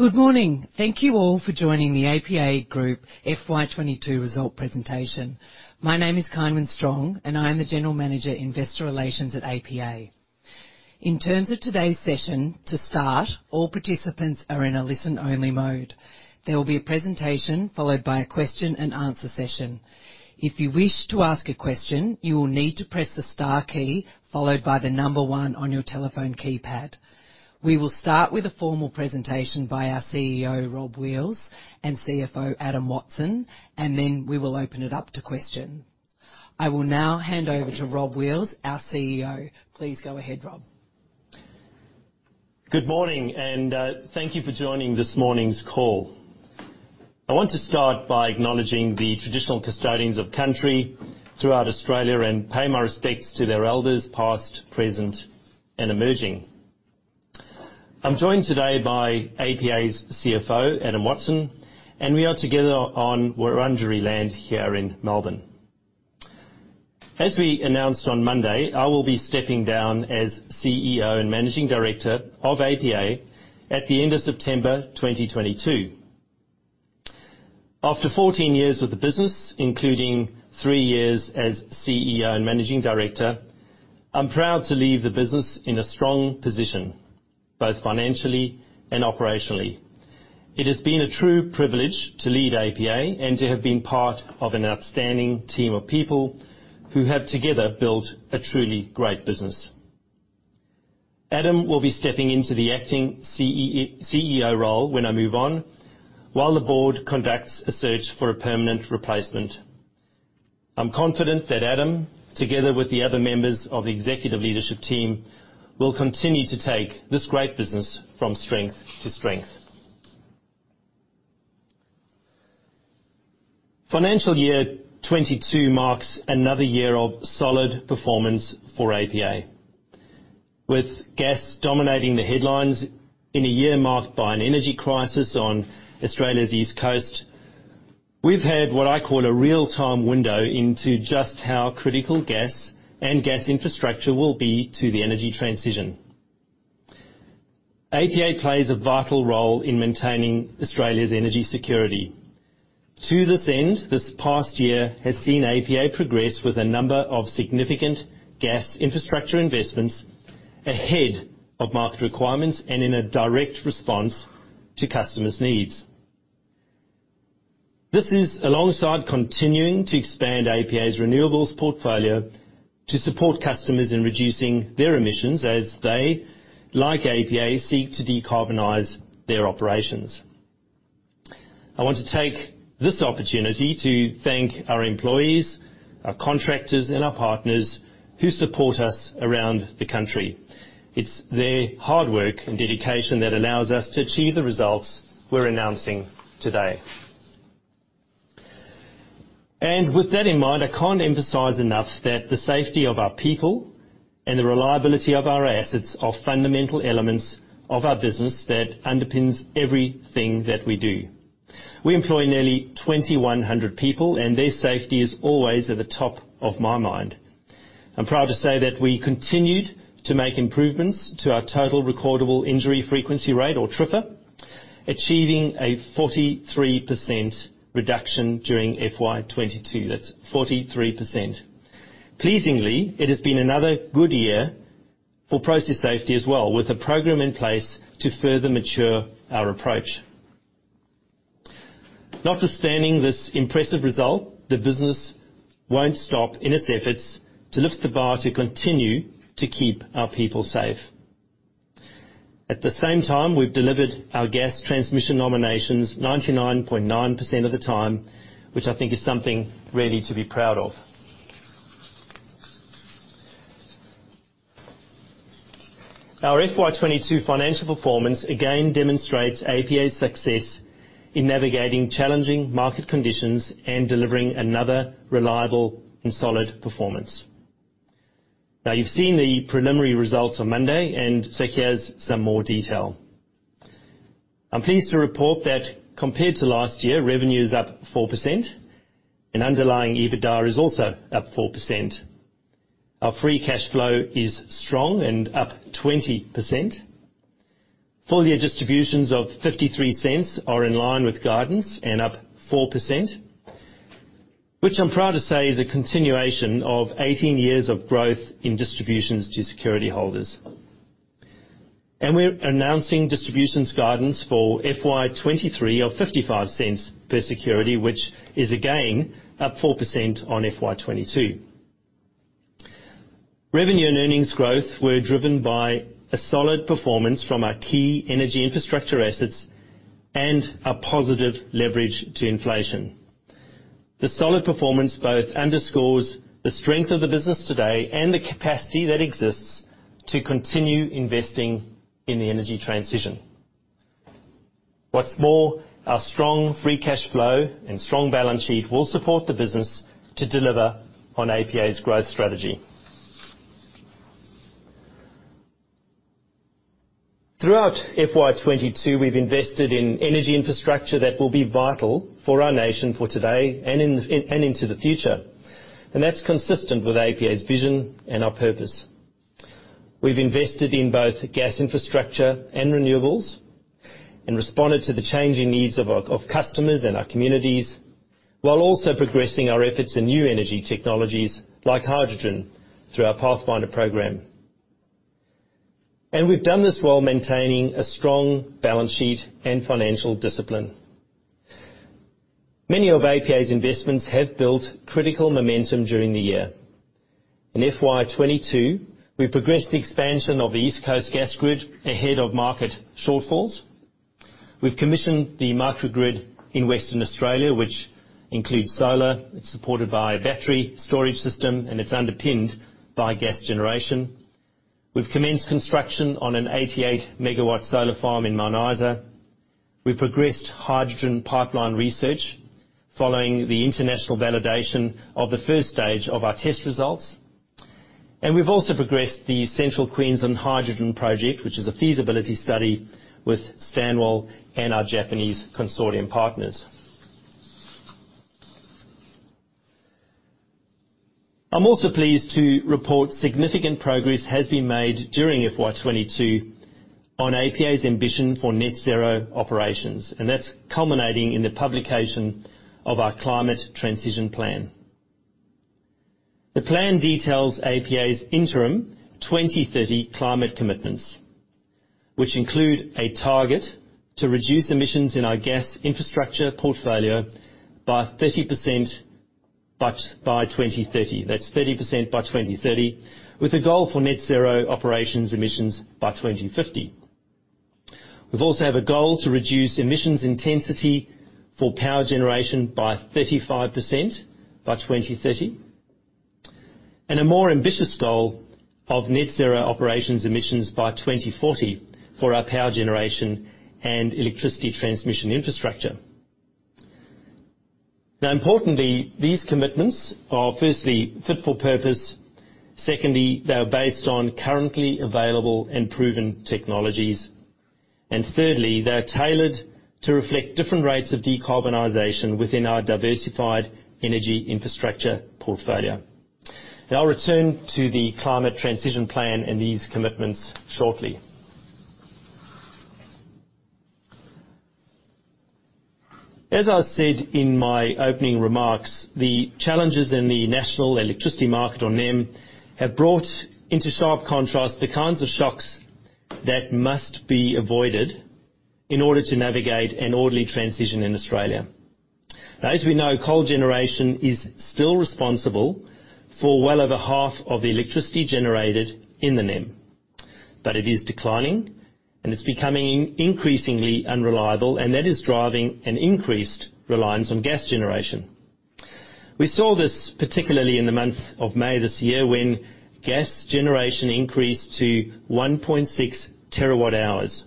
Good morning. Thank you all for joining the APA Group FY22 result presentation. My name is Kynwynn Strong, and I am the General Manager, Investor Relations at APA. In terms of today's session, to start, all participants are in a listen-only mode. There will be a presentation followed by a question-and-answer session. If you wish to ask a question, you will need to press the Star key, followed by the number one on your telephone keypad. We will start with a formal presentation by our CEO, Rob Wheals, and CFO, Adam Watson, and then we will open it up to question. I will now hand over to Rob Wheals, our CEO. Please go ahead, Rob. Good morning, and thank you for joining this morning's call. I want to start by acknowledging the traditional custodians of country throughout Australia and pay my respects to their elders, past, present, and emerging. I'm joined today by APA's CFO, Adam Watson, and we are together on Wurundjeri land here in Melbourne. As we announced on Monday, I will be stepping down as CEO and Managing Director of APA at the end of September 2022. After 14 years with the business, including three years as CEO and Managing Director, I'm proud to leave the business in a strong position, both financially and operationally. It has been a true privilege to lead APA and to have been part of an outstanding team of people who have together built a truly great business. Adam will be stepping into the acting CEO role when I move on, while the board conducts a search for a permanent replacement. I'm confident that Adam, together with the other members of the executive leadership team, will continue to take this great business from strength to strength. Financial year 22 marks another year of solid performance for APA. With gas dominating the headlines in a year marked by an energy crisis on Australia's East Coast, we've had what I call a real-time window into just how critical gas and gas infrastructure will be to the energy transition. APA plays a vital role in maintaining Australia's energy security. To this end, this past year has seen APA progress with a number of significant gas infrastructure investments ahead of market requirements and in a direct response to customers' needs. This is alongside continuing to expand APA's renewables portfolio to support customers in reducing their emissions as they, like APA, seek to decarbonize their operations. I want to take this opportunity to thank our employees, our contractors, and our partners who support us around the country. It's their hard work and dedication that allows us to achieve the results we're announcing today. With that in mind, I can't emphasize enough that the safety of our people and the reliability of our assets are fundamental elements of our business that underpins everything that we do. We employ nearly 2,100 people, and their safety is always at the top of my mind. I'm proud to say that we continued to make improvements to our total recordable injury frequency rate or TRIFR, achieving a 43% reduction during FY22. That's 43%. Pleasingly, it has been another good year for process safety as well, with a program in place to further mature our approach. Notwithstanding this impressive result, the business won't stop in its efforts to lift the bar to continue to keep our people safe. At the same time, we've delivered our gas transmission nominations 99.9% of the time, which I think is something really to be proud of. Our FY22 financial performance again demonstrates APA's success in navigating challenging market conditions and delivering another reliable and solid performance. Now you've seen the preliminary results on Monday, and so here's some more detail. I'm pleased to report that compared to last year, revenue is up 4%, and underlying EBITDA is also up 4%. Our free cash flow is strong and up 20%. Full-year distributions of 0.53 are in line with guidance and up 4%, which I'm proud to say is a continuation of 18 years of growth in distributions to security holders. We're announcing distributions guidance for FY23 of 0.55 per security, which is again up 4% on FY22. Revenue and earnings growth were driven by a solid performance from our key energy infrastructure assets and a positive leverage to inflation. The solid performance both underscores the strength of the business today and the capacity that exists to continue investing in the energy transition. What's more, our strong free cash flow and strong balance sheet will support the business to deliver on APA's growth strategy. Throughout FY22, we've invested in energy infrastructure that will be vital for our nation for today and into the future. That's consistent with APA's vision and our purpose. We've invested in both gas infrastructure and renewables and responded to the changing needs of our customers and our communities, while also progressing our efforts in new energy technologies like hydrogen through our Pathfinder program. We've done this while maintaining a strong balance sheet and financial discipline. Many of APA's investments have built critical momentum during the year. In FY22, we progressed the expansion of the East Coast Gas Grid ahead of market shortfalls. We've commissioned the microgrid in Western Australia, which includes solar. It's supported by a battery storage system, and it's underpinned by gas generation. We've commenced construction on an 88-megawatt solar farm in Mount Isa. We've progressed hydrogen pipeline research following the international validation of the first stage of our test results. We've also progressed the Central Queensland Hydrogen Project, which is a feasibility study with Stanwell and our Japanese consortium partners. I'm also pleased to report significant progress has been made during FY22 on APA's ambition for net zero operations, and that's culminating in the publication of our climate transition plan. The plan details APA's interim 2030 climate commitments, which include a target to reduce emissions in our gas infrastructure portfolio by 30% by 2030. That's 30% by 2030, with a goal for net zero operations emissions by 2050. We also have a goal to reduce emissions intensity for power generation by 35% by 2030, and a more ambitious goal of net zero operations emissions by 2040 for our power generation and electricity transmission infrastructure. Now importantly, these commitments are, firstly, fit for purpose. Secondly, they are based on currently available and proven technologies. Thirdly, they are tailored to reflect different rates of decarbonization within our diversified energy infrastructure portfolio. Now I'll return to the climate transition plan and these commitments shortly. As I said in my opening remarks, the challenges in the National Electricity Market, or NEM, have brought into sharp contrast the kinds of shocks that must be avoided in order to navigate an orderly transition in Australia. Now as we know, coal generation is still responsible for well over half of the electricity generated in the NEM. It is declining, and it's becoming increasingly unreliable, and that is driving an increased reliance on gas generation. We saw this particularly in the month of May this year when gas generation increased to 1.6 TWH.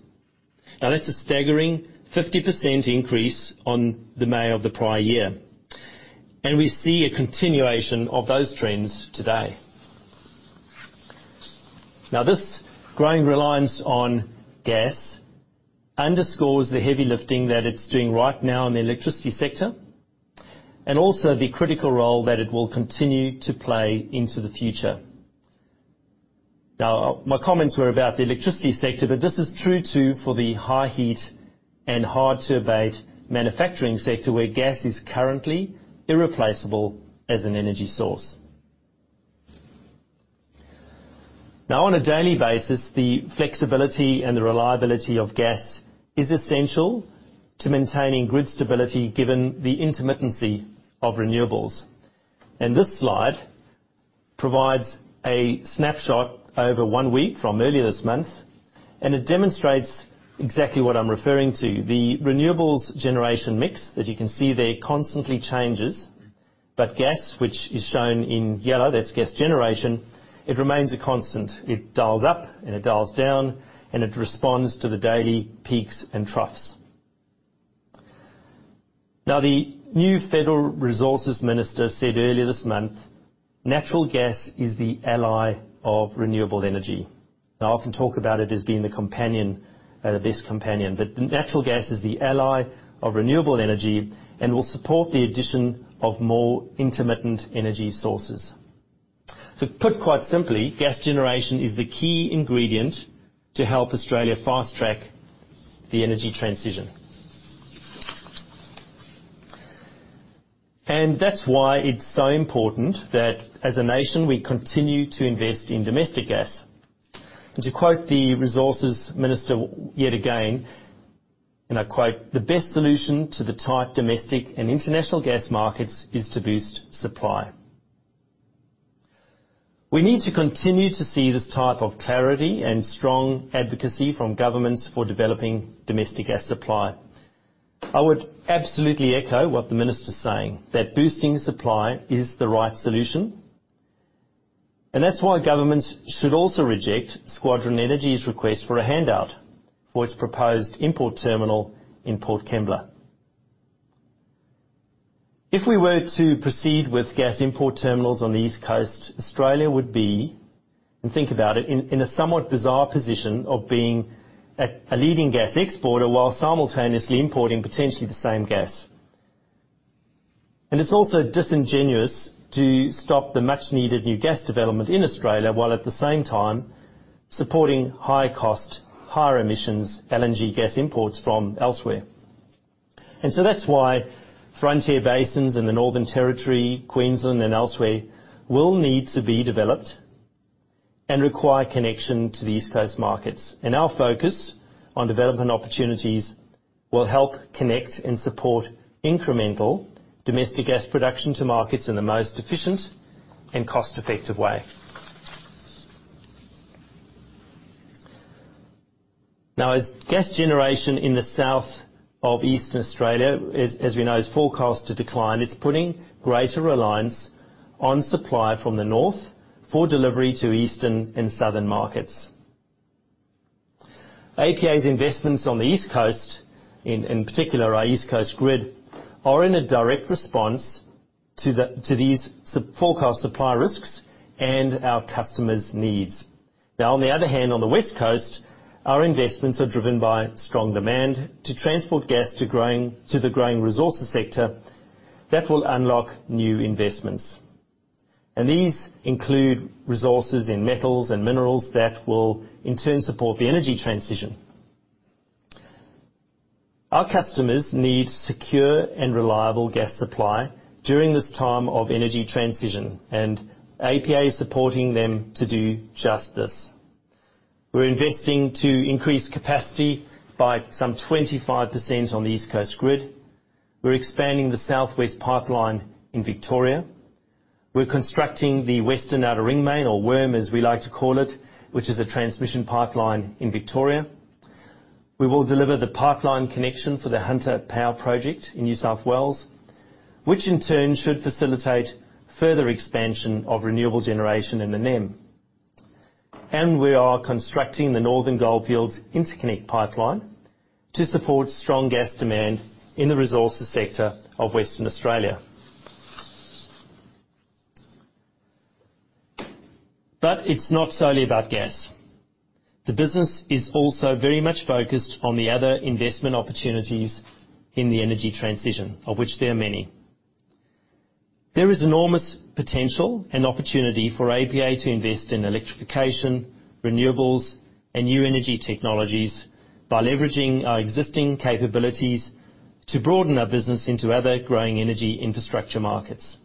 Now that's a staggering 50% increase on the May of the prior year. We see a continuation of those trends today. Now, this growing reliance on gas underscores the heavy lifting that it's doing right now in the electricity sector and also the critical role that it will continue to play into the future. Now, my comments were about the electricity sector, but this is true too for the high heat and hard-to-abate manufacturing sector where gas is currently irreplaceable as an energy source. Now, on a daily basis, the flexibility and the reliability of gas is essential to maintaining grid stability given the intermittency of renewables. This slide provides a snapshot over one week from earlier this month, and it demonstrates exactly what I'm referring to. The renewables generation mix that you can see there constantly changes. Gas, which is shown in yellow, that's gas generation, it remains a constant. It dials up, and it dials down, and it responds to the daily peaks and troughs. Now, the new federal resources minister said earlier this month, natural gas is the ally of renewable energy. Now I often talk about it as being the companion, the best companion. Natural gas is the ally of renewable energy and will support the addition of more intermittent energy sources. To put quite simply, gas generation is the key ingredient to help Australia fast-track the energy transition. That's why it's so important that as a nation, we continue to invest in domestic gas. To quote the resources minister yet again, and I quote, "The best solution to the tight domestic and international gas markets is to boost supply." We need to continue to see this type of clarity and strong advocacy from governments for developing domestic gas supply. I would absolutely echo what the minister's saying, that boosting supply is the right solution, and that's why governments should also reject Squadron Energy's request for a handout for its proposed import terminal in Port Kembla. If we were to proceed with gas import terminals on the East Coast, Australia would be, and think about it, in a somewhat bizarre position of being a leading gas exporter while simultaneously importing potentially the same gas. It's also disingenuous to stop the much-needed new gas development in Australia while at the same time supporting high cost, higher emissions, LNG gas imports from elsewhere. That's why frontier basins in the Northern Territory, Queensland, and elsewhere will need to be developed and require connection to the East Coast markets. Our focus on development opportunities will help connect and support incremental domestic gas production to markets in the most efficient and cost-effective way. Now, as gas generation in the south of eastern Australia, as we know, is forecast to decline, it's putting greater reliance on supply from the north for delivery to eastern and southern markets. APA's investments on the East Coast, in particular our East Coast Gas Grid, are in a direct response to these forecast supply risks and our customers' needs. Now, on the other hand, on the West Coast, our investments are driven by strong demand to transport gas to the growing resources sector that will unlock new investments. These include resources in metals and minerals that will in turn support the energy transition. Our customers need secure and reliable gas supply during this time of energy transition, and APA is supporting them to do just this. We're investing to increase capacity by some 25% on the East Coast Gas Grid. We're expanding the South West Pipeline in Victoria. We're constructing the Western Outer Ring Main, or WORM, as we like to call it, which is a transmission pipeline in Victoria. We will deliver the pipeline connection for the Hunter Power Project in New South Wales, which in turn should facilitate further expansion of renewable generation in the NEM. We are constructing the Northern Goldfields Interconnect Pipeline to support strong gas demand in the resources sector of Western Australia. It's not solely about gas. The business is also very much focused on the other investment opportunities in the energy transition, of which there are many. There is enormous potential and opportunity for APA to invest in electrification, renewables, and new energy technologies by leveraging our existing capabilities to broaden our business into other growing energy infrastructure markets.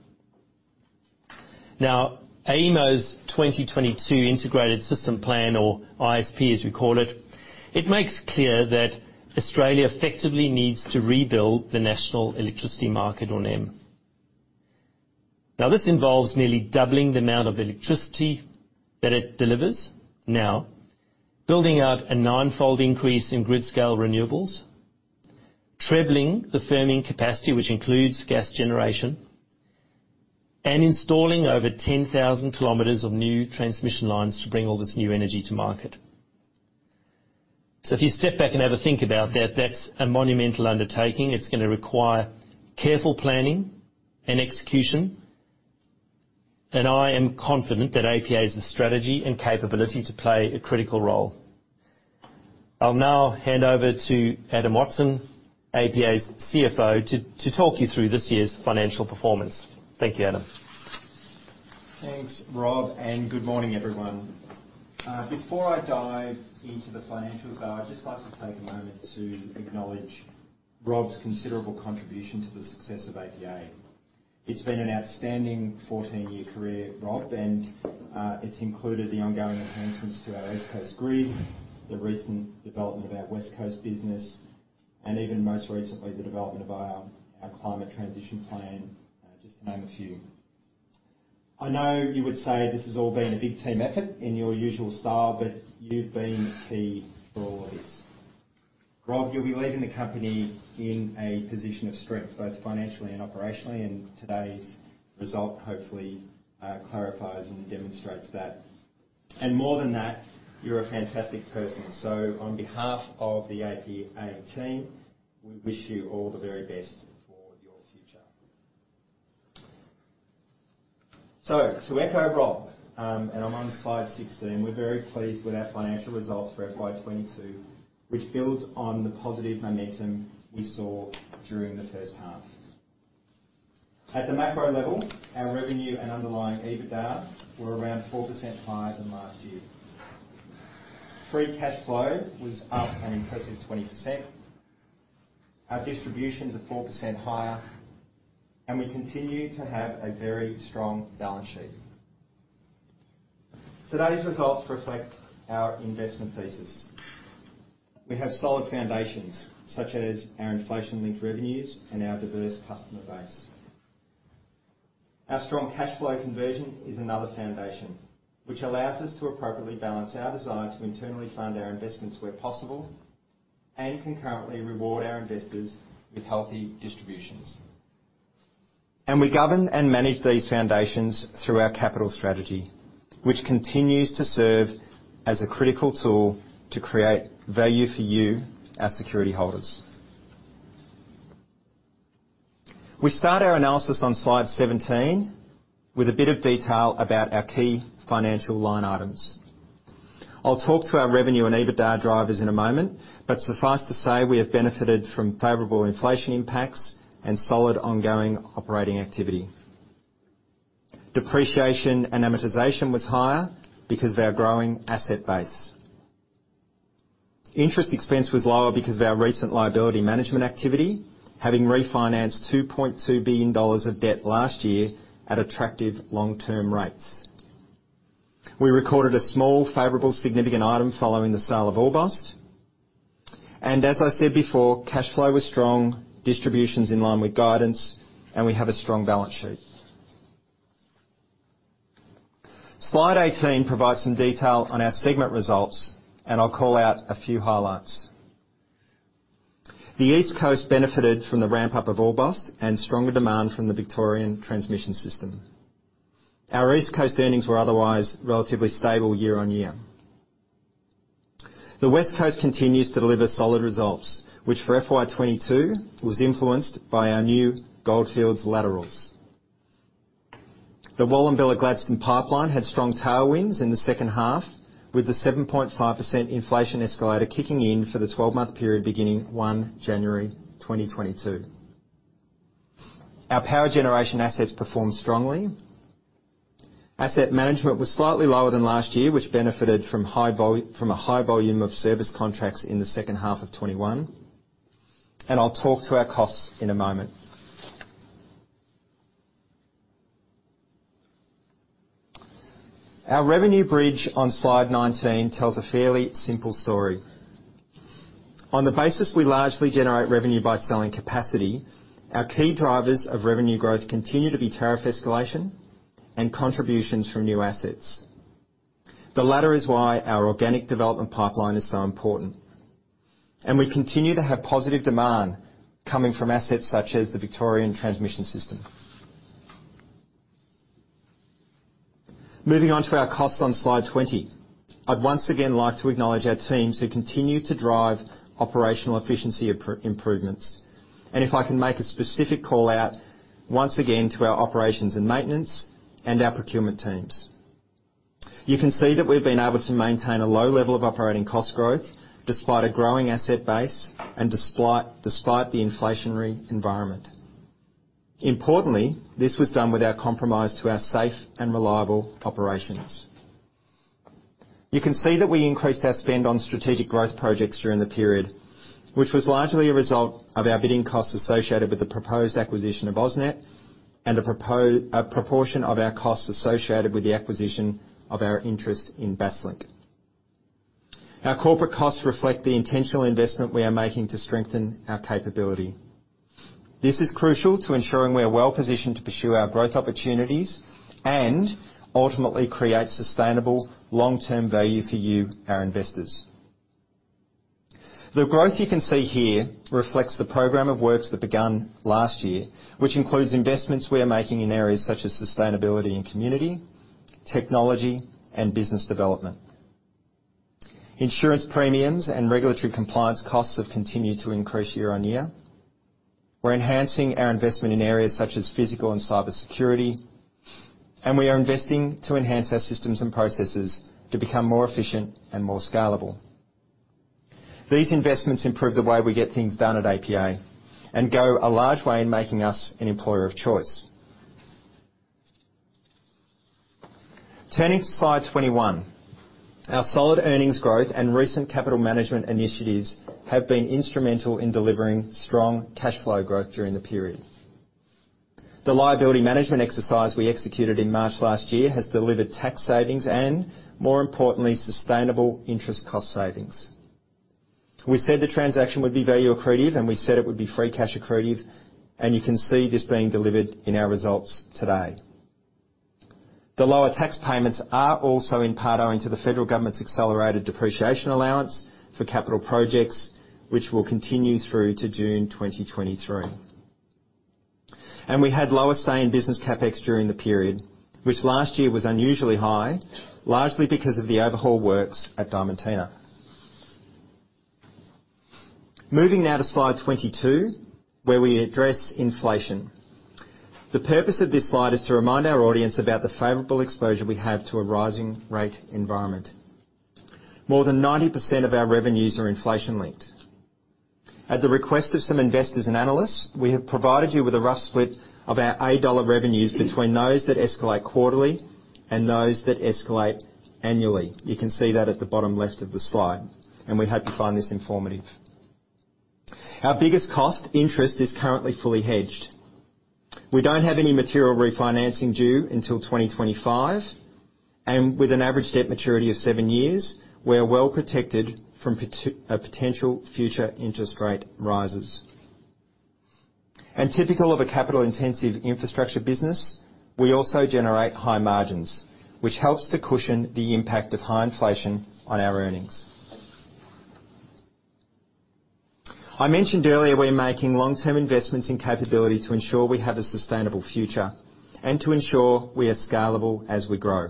Now, AEMO's 2022 Integrated System Plan, or ISP, as we call it makes clear that Australia effectively needs to rebuild the national electricity market, or NEM. Now, this involves nearly doubling the amount of electricity that it delivers now, building out a ninefold increase in grid-scale renewables, trebling the firming capacity, which includes gas generation, and installing over 10,000 km of new transmission lines to bring all this new energy to market. If you step back and have a think about that's a monumental undertaking. It's gonna require careful planning and execution, and I am confident that APA has the strategy and capability to play a critical role. I'll now hand over to Adam Watson, APA's CFO, to talk you through this year's financial performance. Thank you, Adam. Thanks, Rob, and good morning, everyone. Before I dive into the financials, though, I'd just like to take a moment to acknowledge Rob's considerable contribution to the success of APA. It's been an outstanding 14-year career, Rob, and it's included the ongoing enhancements to our East Coast Gas Grid, the recent development of our West Coast business, and even most recently, the development of our climate transition plan, just to name a few. I know you would say this has all been a big team effort in your usual style, but you've been key for all this. Rob, you'll be leaving the company in a position of strength, both financially and operationally, and today's result hopefully clarifies and demonstrates that. More than that, you're a fantastic person. On behalf of the APA team, we wish you all the very best for your future. To echo Rob, and I'm on slide 16, we're very pleased with our financial results for FY22, which builds on the positive momentum we saw during the first half. At the macro level, our revenue and underlying EBITDA were around 4% higher than last year. Free cash flow was up an impressive 20%. Our distributions are 4% higher, and we continue to have a very strong balance sheet. Today's results reflect our investment thesis. We have solid foundations such as our inflation-linked revenues and our diverse customer base. Our strong cash flow conversion is another foundation, which allows us to appropriately balance our desire to internally fund our investments where possible and concurrently reward our investors with healthy distributions. We govern and manage these foundations through our capital strategy. Which continues to serve as a critical tool to create value for you, our security holders. We start our analysis on slide 17 with a bit of detail about our key financial line items. I'll talk through our revenue and EBITDA drivers in a moment, but suffice to say, we have benefited from favorable inflation impacts and solid ongoing operating activity. Depreciation and amortization was higher because of our growing asset base. Interest expense was lower because of our recent liability management activity, havingst refinanced 2.2 billion dollars of debt last year at attractive long-term rates. We recorded a small favorable significant item following the sale of Orbost. As I said before, cash flow was strong, distributions in line with guidance, and we have a strong balance sheet. Slide 18 provides some detail on our segment results, and I'll call out a few highlights. The East Coast benefited from the ramp-up of Orbost and stronger demand from the Victorian Transmission System. Our East Coast earnings were otherwise relatively stable year on year. The West Coast continues to deliver solid results, which for FY22 was influenced by our new goldfields laterals. The Wallumbilla Gladstone Pipeline had strong tailwinds in the second half, with the 7.5% inflation escalator kicking in for the twelve-month period beginning 1st January 2022. Our power generation assets performed strongly. Asset management was slightly lower than last year, which benefited from a high volume of service contracts in the second half of 2021. I'll talk to our costs in a moment. Our revenue bridge on Slide 19 tells a fairly simple story. On the basis we largely generate revenue by selling capacity, our key drivers of revenue growth continue to be tariff escalation and contributions from new assets. The latter is why our organic development pipeline is so important, and we continue to have positive demand coming from assets such as the Victorian Transmission System. Moving on to our costs on slide 20. I'd once again like to acknowledge our teams who continue to drive operational efficiency improvements. If I can make a specific call-out once again to our operations and maintenance and our procurement teams. You can see that we've been able to maintain a low level of operating cost growth despite a growing asset base and despite the inflationary environment. Importantly, this was done without compromise to our safe and reliable operations. You can see that we increased our spend on strategic growth projects during the period, which was largely a result of our bidding costs associated with the proposed acquisition of AusNet and a proportion of our costs associated with the acquisition of our interest in Basslink. Our corporate costs reflect the intentional investment we are making to strengthen our capability. This is crucial to ensuring we are well-positioned to pursue our growth opportunities and ultimately create sustainable long-term value for you, our investors. The growth you can see here reflects the program of works that begun last year, which includes investments we are making in areas such as sustainability and community, technology, and business development. Insurance premiums and regulatory compliance costs have continued to increase year-on-year. We're enhancing our investment in areas such as physical and cyber security, and we are investing to enhance our systems and processes to become more efficient and more scalable. These investments improve the way we get things done at APA and go a large way in making us an employer of choice. Turning to slide 21. Our solid earnings growth and recent capital management initiatives have been instrumental in delivering strong cash flow growth during the period. The liability management exercise we executed in March last year has delivered tax savings and, more importantly, sustainable interest cost savings. We said the transaction would be value accretive, and we said it would be free cash accretive, and you can see this being delivered in our results today. The lower tax payments are also in part owing to the federal government's accelerated depreciation allowance for capital projects, which will continue through to June 2023. We had lower stay in business CapEx during the period, which last year was unusually high, largely because of the overhaul works at Diamantina. Moving now to slide 22, where we address inflation. The purpose of this slide is to remind our audience about the favorable exposure we have to a rising rate environment. More than 90% of our revenues are inflation-linked. At the request of some investors and analysts, we have provided you with a rough split of our A-dollar revenues between those that escalate quarterly and those that escalate annually. You can see that at the bottom left of the slide, and we hope you find this informative. Our biggest cost, interest, is currently fully hedged. We don't have any material refinancing due until 2025, and with an average debt maturity of seven years, we are well protected from potential future interest rate rises. Typical of a capital-intensive infrastructure business, we also generate high margins, which helps to cushion the impact of high inflation on our earnings. I mentioned earlier, we're making long-term investments in capability to ensure we have a sustainable future and to ensure we are scalable as we grow.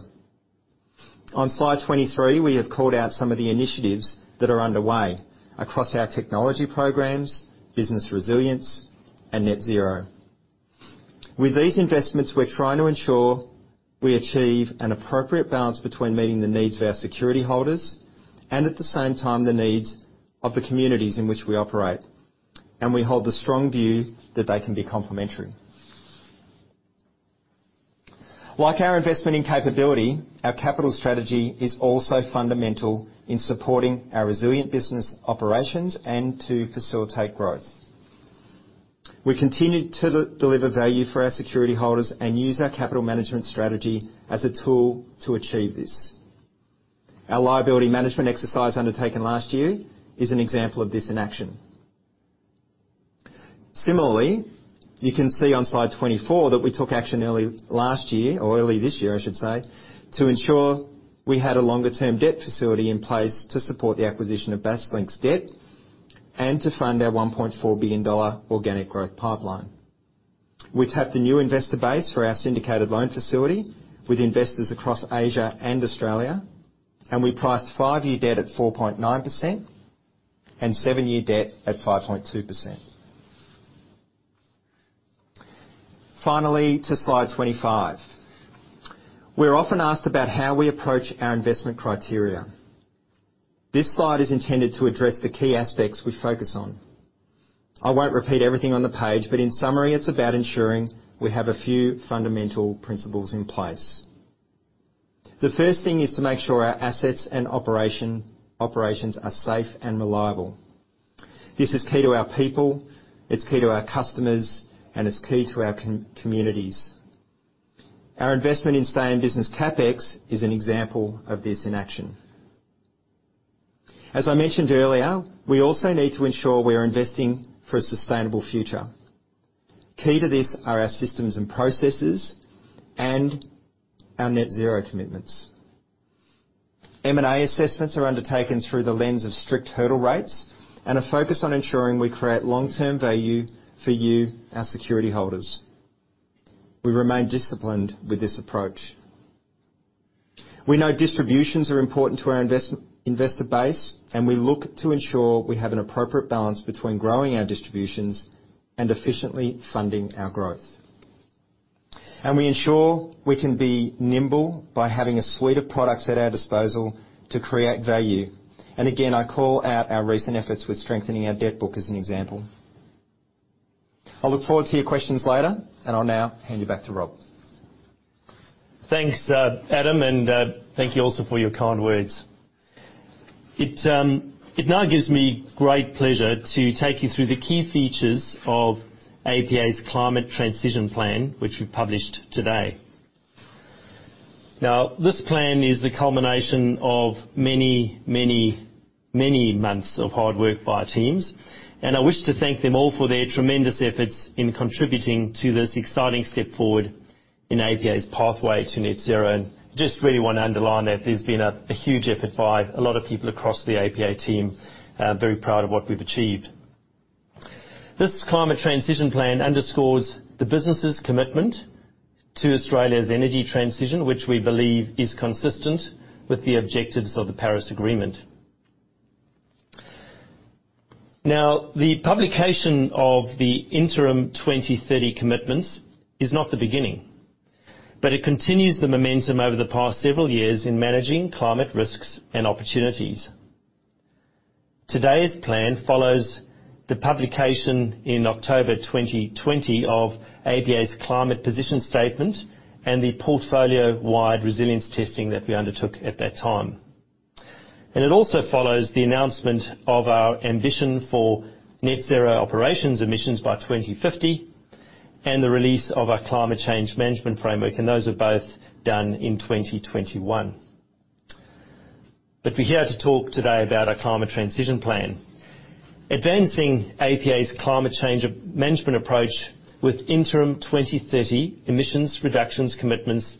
On slide 23, we have called out some of the initiatives that are underway across our technology programs, business resilience, and net zero. With these investments, we're trying to ensure we achieve an appropriate balance between meeting the needs of our security holders and at the same time, the needs of the communities in which we operate. We hold the strong view that they can be complementary. Like our investment and capability, our capital strategy is also fundamental in supporting our resilient business operations and to facilitate growth. We continue to deliver value for our security holders and use our capital management strategy as a tool to achieve this. Our liability management exercise undertaken last year is an example of this in action. Similarly, you can see on slide 24 that we took action early last year or early this year, I should say, to ensure we had a longer-term debt facility in place to support the acquisition of Basslink's debt and to fund our 1.4 billion dollar organic growth pipeline. We tapped a new investor base for our syndicated loan facility with investors across Asia and Australia, and we priced 5-year debt at 4.9% and 7-year debt at 5.2%. Finally, to slide 25. We're often asked about how we approach our investment criteria. This slide is intended to address the key aspects we focus on. I won't repeat everything on the page, but in summary, it's about ensuring we have a few fundamental principles in place. The first thing is to make sure our assets and operations are safe and reliable. This is key to our people, it's key to our customers, and it's key to our communities. Our investment in stay-in-business CapEx is an example of this in action. As I mentioned earlier, we also need to ensure we are investing for a sustainable future. Key to this are our systems and processes and our net zero commitments. M&A assessments are undertaken through the lens of strict hurdle rates and a focus on ensuring we create long-term value for you, our security holders. We remain disciplined with this approach. We know distributions are important to our investor base, and we look to ensure we have an appropriate balance between growing our distributions and efficiently funding our growth. We ensure we can be nimble by having a suite of products at our disposal to create value. Again, I call out our recent efforts with strengthening our debt book as an example. I look forward to your questions later, and I'll now hand you back to Rob. Thanks, Adam, and thank you also for your kind words. It now gives me great pleasure to take you through the key features of APA's climate transition plan, which we've published today. Now, this plan is the culmination of many months of hard work by our teams, and I wish to thank them all for their tremendous efforts in contributing to this exciting step forward in APA's pathway to net zero. Just really wanna underline that there's been a huge effort by a lot of people across the APA team. Very proud of what we've achieved. This climate transition plan underscores the business' commitment to Australia's energy transition, which we believe is consistent with the objectives of the Paris Agreement. Now, the publication of the interim 2030 commitments is not the beginning, but it continues the momentum over the past several years in managing climate risks and opportunities. Today's plan follows the publication in October 2020 of APA's climate position statement and the portfolio-wide resilience testing that we undertook at that time. It also follows the announcement of our ambition for net zero operations emissions by 2050, and the release of our climate change management framework, and those are both done in 2021. We're here to talk today about our climate transition plan. Advancing APA's climate change management approach with interim 2030 emissions reductions commitments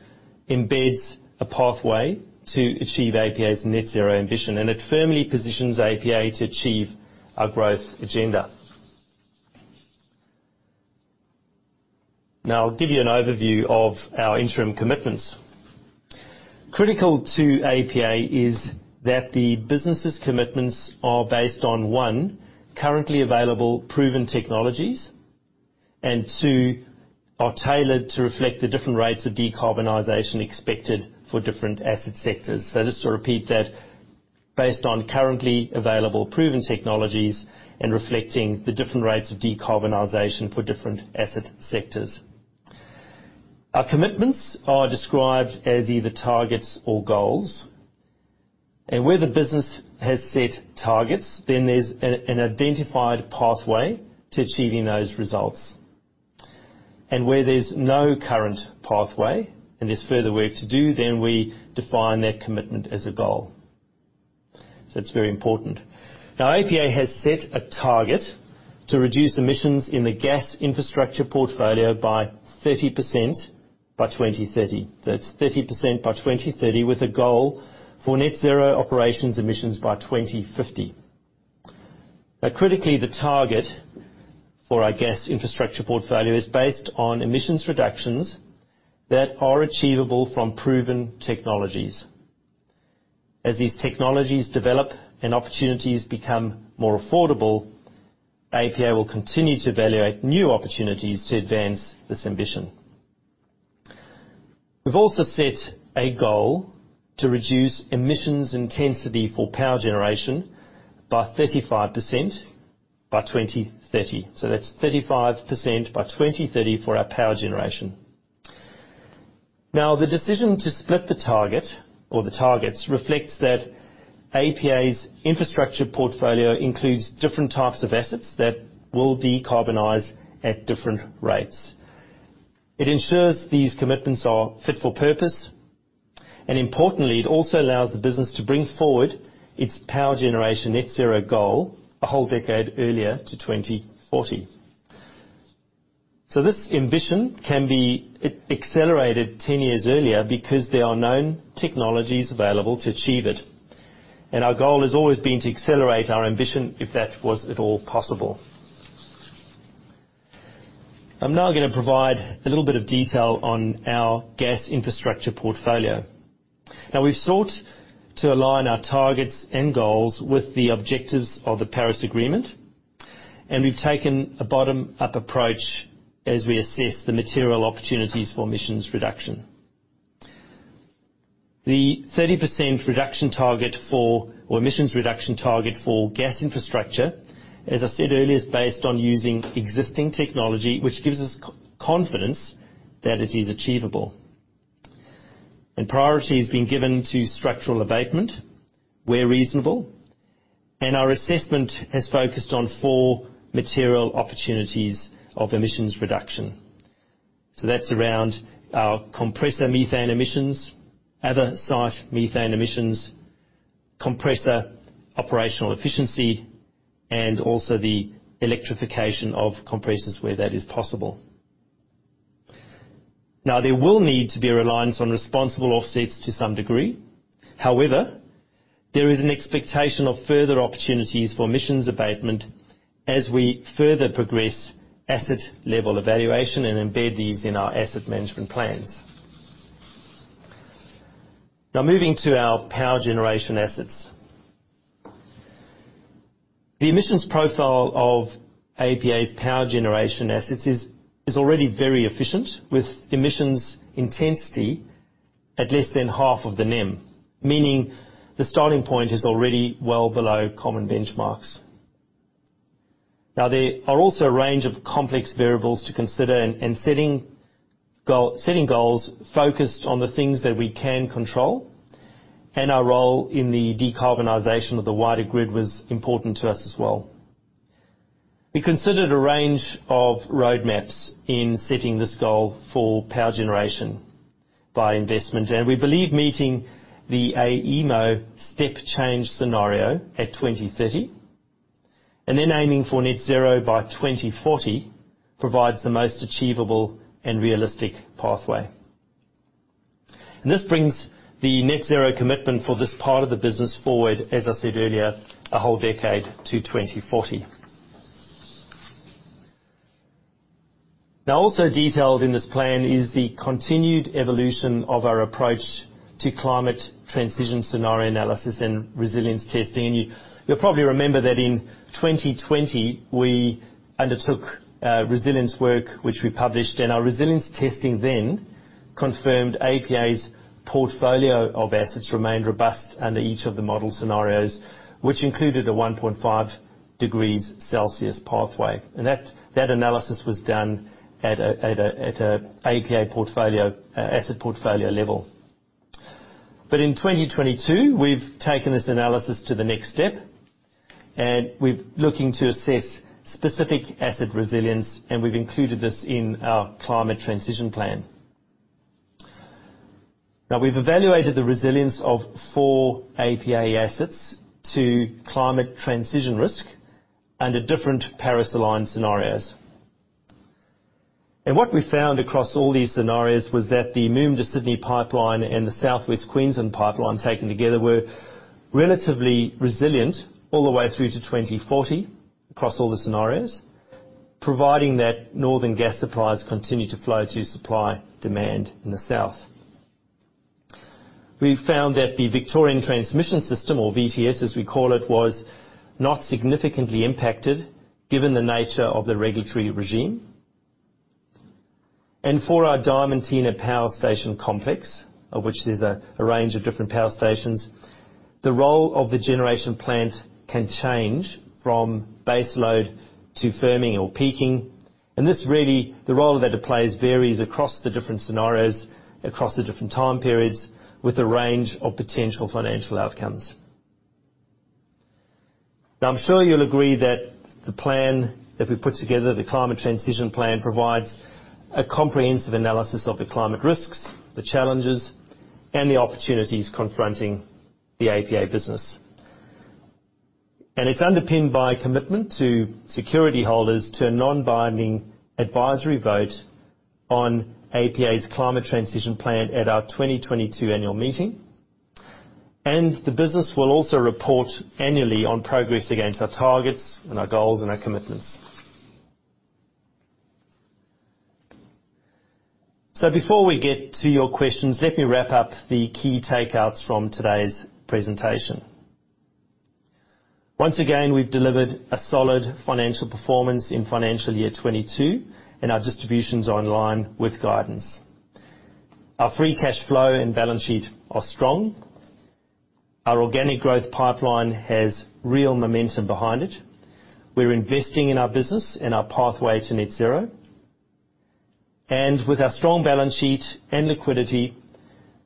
embeds a pathway to achieve APA's net zero ambition, and it firmly positions APA to achieve our growth agenda. Now, I'll give you an overview of our interim commitments. Critical to APA is that the business' commitments are based on, one, currently available proven technologies, and two, are tailored to reflect the different rates of decarbonization expected for different asset sectors. Just to repeat that, based on currently available proven technologies and reflecting the different rates of decarbonization for different asset sectors. Our commitments are described as either targets or goals. Where the business has set targets, then there's an identified pathway to achieving those results. Where there's no current pathway and there's further work to do, then we define that commitment as a goal. It's very important. Now, APA has set a target to reduce emissions in the gas infrastructure portfolio by 30% by 2030. That's 30% by 2030, with a goal for net zero operations emissions by 2050. Critically, the target for our gas infrastructure portfolio is based on emissions reductions that are achievable from proven technologies. As these technologies develop and opportunities become more affordable, APA will continue to evaluate new opportunities to advance this ambition. We've also set a goal to reduce emissions intensity for power generation by 35% by 2030. That's 35% by 2030 for our power generation. The decision to split the target or the targets reflects that APA's infrastructure portfolio includes different types of assets that will decarbonize at different rates. It ensures these commitments are fit for purpose, and importantly, it also allows the business to bring forward its power generation net zero goal a whole decade earlier to 2040. This ambition can be accelerated 10 years earlier because there are known technologies available to achieve it. Our goal has always been to accelerate our ambition, if that was at all possible. I'm now gonna provide a little bit of detail on our gas infrastructure portfolio. Now we've sought to align our targets and goals with the objectives of the Paris Agreement, and we've taken a bottom-up approach as we assess the material opportunities for emissions reduction. The 30% emissions reduction target for gas infrastructure, as I said earlier, is based on using existing technology, which gives us confidence that it is achievable. Priority is being given to structural abatement where reasonable. Our assessment has focused on four material opportunities of emissions reduction. That's around our compressor methane emissions, other site methane emissions, compressor operational efficiency, and also the electrification of compressors where that is possible. Now, there will need to be a reliance on responsible offsets to some degree. However, there is an expectation of further opportunities for emissions abatement as we further progress asset level evaluation and embed these in our asset management plans. Now, moving to our power generation assets. The emissions profile of APA's power generation assets is already very efficient, with emissions intensity at less than half of the NEM, meaning the starting point is already well below common benchmarks. Now, there are also a range of complex variables to consider in setting goals focused on the things that we can control, and our role in the decarbonization of the wider grid was important to us as well. We considered a range of roadmaps in setting this goal for power generation by investment, and we believe meeting the AEMO Step Change scenario at 2030 and then aiming for net zero by 2040 provides the most achievable and realistic pathway. This brings the net zero commitment for this part of the business forward, as I said earlier, a whole decade to 2040. Now, also detailed in this plan is the continued evolution of our approach to climate transition scenario analysis and resilience testing. You'll probably remember that in 2020, we undertook resilience work which we published, and our resilience testing then confirmed APA's portfolio of assets remained robust under each of the model scenarios, which included a 1.5 degrees Celsius pathway. That analysis was done at a APA portfolio asset portfolio level. In 2022, we've taken this analysis to the next step, and we're looking to assess specific asset resilience, and we've included this in our climate transition plan. Now we've evaluated the resilience of four APA assets to climate transition risk under different Paris-aligned scenarios. What we found across all these scenarios was that the Moomba-to-Sydney Pipeline and the South West Queensland Pipeline taken together were relatively resilient all the way through to 2040 across all the scenarios, providing that northern gas supplies continue to flow to supply demand in the south. We found that the Victorian Transmission System, or VTS as we call it, was not significantly impacted given the nature of the regulatory regime. For our Diamantina Power Station complex, of which there's a range of different power stations, the role of the generation plant can change from base load to firming or peaking. This really, the role that it plays varies across the different scenarios, across the different time periods with a range of potential financial outcomes. Now, I'm sure you'll agree that the plan that we put together, the climate transition plan, provides a comprehensive analysis of the climate risks, the challenges, and the opportunities confronting the APA business. It's underpinned by commitment to security holders to a non-binding advisory vote on APA's climate transition plan at our 2022 annual meeting. The business will also report annually on progress against our targets and our goals and our commitments. Before we get to your questions, let me wrap up the key takeouts from today's presentation. Once again, we've delivered a solid financial performance in financial year 2022, and our distribution's online with guidance. Our free cash flow and balance sheet are strong. Our organic growth pipeline has real momentum behind it. We're investing in our business and our pathway to net zero. With our strong balance sheet and liquidity,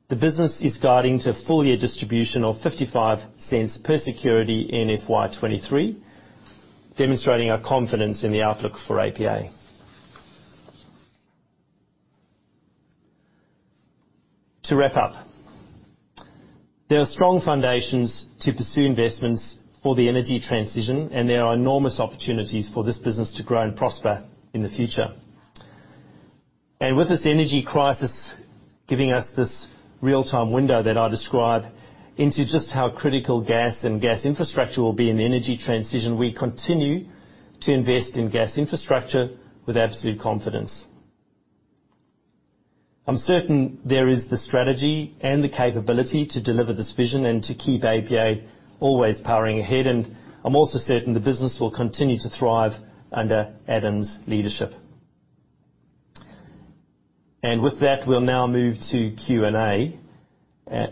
the business is guiding to full year distribution of 0.55 per security in FY 2023, demonstrating our confidence in the outlook for APA. To wrap up, there are strong foundations to pursue investments for the energy transition, and there are enormous opportunities for this business to grow and prosper in the future. With this energy crisis giving us this real-time window that I describe into just how critical gas and gas infrastructure will be in the energy transition, we continue to invest in gas infrastructure with absolute confidence. I'm certain there is the strategy and the capability to deliver this vision and to keep APA always powering ahead. I'm also certain the business will continue to thrive under Adam's leadership. With that, we'll now move to Q&A.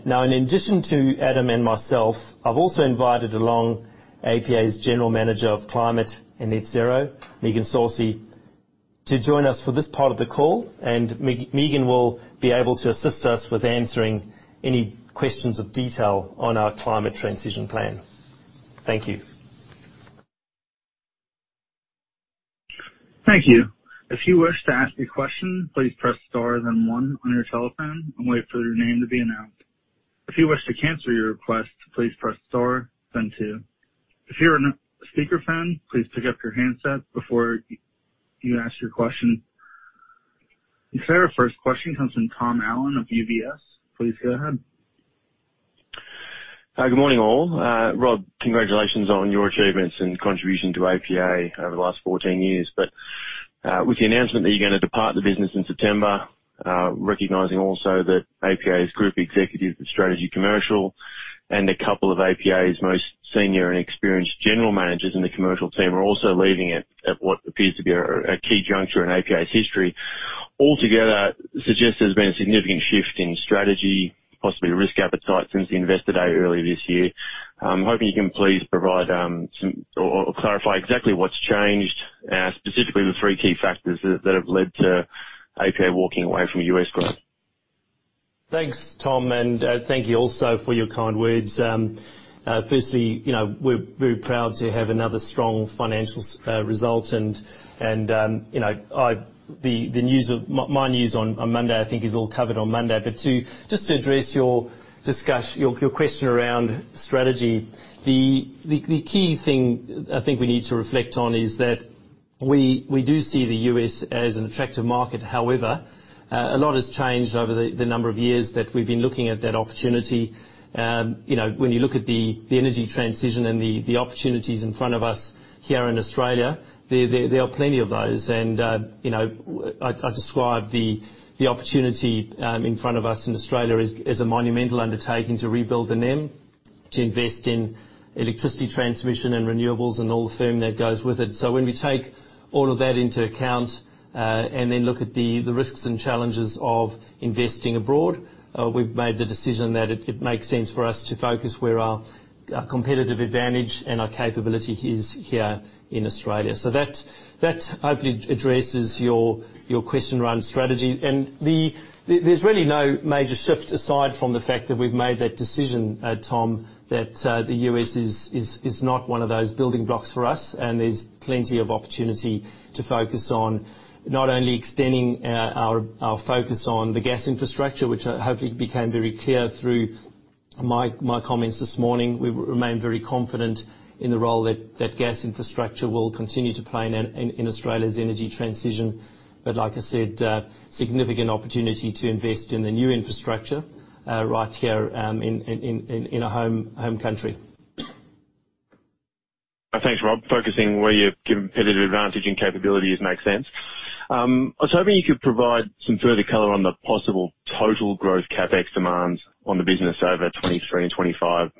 Now, in addition to Adam and myself, I've also invited along APA's General Manager of Climate and NetZero, Megan Salisbury, to join us for this part of the call. Megan will be able to assist us with answering any questions of detail on our climate transition plan. Thank you. Thank you. If you wish to ask a question, please press star then one on your telephone and wait for your name to be announced. If you wish to cancel your request, please press star then two. If you're on a speakerphone, please pick up your handset before you ask your question. Okay, our first question comes from Tom Allen of UBS. Please go ahead. Hi. Good morning, all. Rob, congratulations on your achievements and contribution to APA over the last 14 years. With the announcement that you're gonna depart the business in September, recognizing also that APA's Group Executive for Strategy and Commercial and a couple of APA's most senior and experienced general managers in the commercial team are also leaving at what appears to be a key juncture in APA's history altogether suggests there's been a significant shift in strategy, possibly risk appetite since the Investor Day earlier this year. I'm hoping you can please provide some or clarify exactly what's changed, specifically the three key factors that have led to APA walking away from U.S. Growth. Thanks, Tom, and thank you also for your kind words. Firstly, you know, we're very proud to have another strong financial result and you know, the news of my news on Monday, I think is all covered on Monday. Just to address your question around strategy, the key thing I think we need to reflect on is that we do see the US as an attractive market. However, a lot has changed over the number of years that we've been looking at that opportunity. You know, when you look at the energy transition and the opportunities in front of us here in Australia, there are plenty of those. You know, I described the opportunity in front of us in Australia as a monumental undertaking to rebuild the NEM, to invest in electricity transmission and renewables and all the firm that goes with it. When we take all of that into account, and then look at the risks and challenges of investing abroad, we've made the decision that it makes sense for us to focus where our competitive advantage and our capability is here in Australia. That hopefully addresses your question around strategy. There's really no major shift aside from the fact that we've made that decision, Tom, that the U.S. is not one of those building blocks for us. There's plenty of opportunity to focus on not only extending our focus on the gas infrastructure, which hopefully became very clear through my comments this morning. We remain very confident in the role that gas infrastructure will continue to play in Australia's energy transition. Like I said, a significant opportunity to invest in the new infrastructure right here in our home country. Thanks, Rob. Focusing where your competitive advantage and capabilities make sense. I was hoping you could provide some further color on the possible total growth CapEx demands on the business over 2023 and 2025,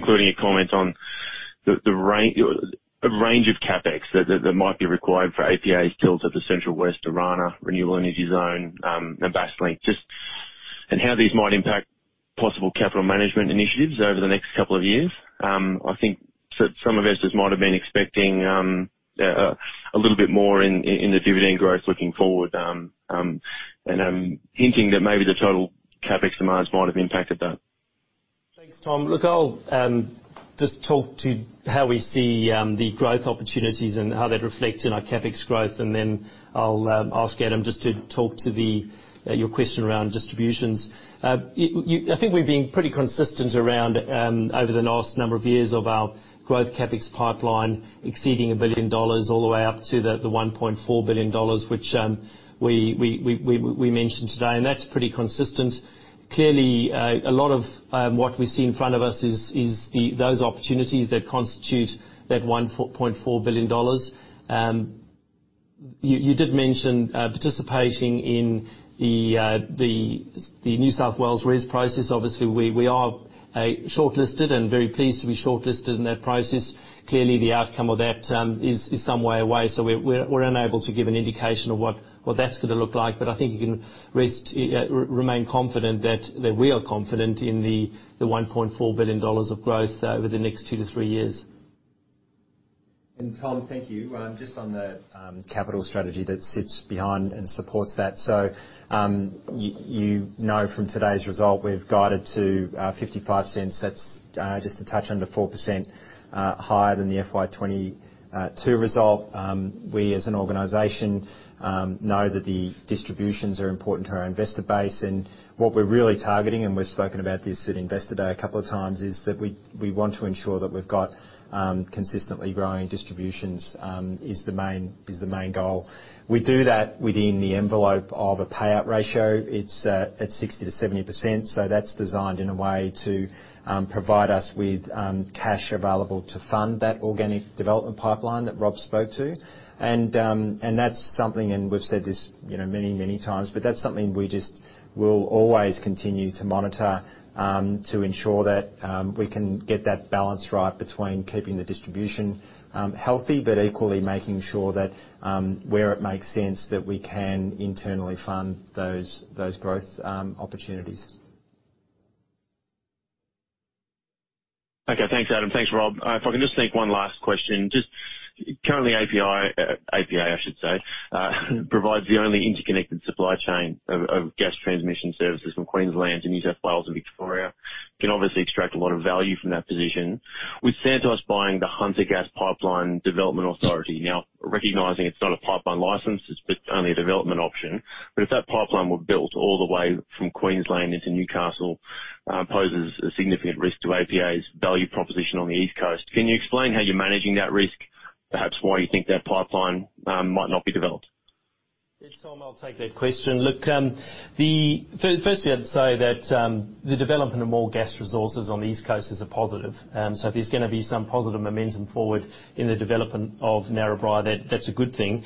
including a comment on the range of CapEx that might be required for APA still to the Central-West Orana Renewable Energy Zone, and Basslink. Just how these might impact possible capital management initiatives over the next couple of years. I think some investors might have been expecting a little bit more in the dividend growth looking forward, and hinting that maybe the total CapEx demands might have impacted that. Thanks, Tom. Look, I'll just talk to how we see the growth opportunities and how that reflects in our CapEx growth. Then I'll ask Adam just to talk to your question around distributions. I think we're being pretty consistent around over the last number of years of our growth CapEx pipeline exceeding 1 billion dollars all the way up to the 1.4 billion dollars, which we mentioned today. That's pretty consistent. Clearly, a lot of what we see in front of us is those opportunities that constitute that 1.4 billion dollars. You did mention participating in the New South Wales REZ process. Obviously, we are shortlisted and very pleased to be shortlisted in that process. Clearly, the outcome of that is some way away, so we're unable to give an indication of what that's gonna look like. I think you can remain confident that we are confident in the 1.4 billion dollars of growth over the next two to three years. Tom, thank you. Just on the capital strategy that sits behind and supports that. You know from today's result, we've guided to 0.55. That's just a touch under 4% higher than the FY22 result. We, as an organization, know that the distributions are important to our investor base. What we're really targeting, and we've spoken about this at Investor Day a couple of times, is that we want to ensure that we've got consistently growing distributions is the main goal. We do that within the envelope of a payout ratio. It's at 60%-70%, so that's designed in a way to provide us with cash available to fund that organic development pipeline that Rob spoke to. That's something and we've said this, you know, many times, but that's something we just will always continue to monitor to ensure that we can get that balance right between keeping the distribution healthy. Equally making sure that where it makes sense that we can internally fund those growth opportunities. Okay. Thanks, Adam. Thanks, Rob. If I can just sneak one last question. Just currently APA, I should say, provides the only interconnected supply chain of gas transmission services from Queensland to New South Wales and Victoria. Can obviously extract a lot of value from that position. With Santos buying the Hunter Gas Pipeline Development Authority. Now, recognizing it's not a pipeline license, it's only a development option, but if that pipeline were built all the way from Queensland into Newcastle, poses a significant risk to APA's value proposition on the East Coast. Can you explain how you're managing that risk? Perhaps why you think that pipeline might not be developed. Yeah. Tom, I'll take that question. Look, firstly, I'd say that the development of more gas resources on the East Coast is a positive. There's gonna be some positive momentum forward in the development of Narrabri. That's a good thing.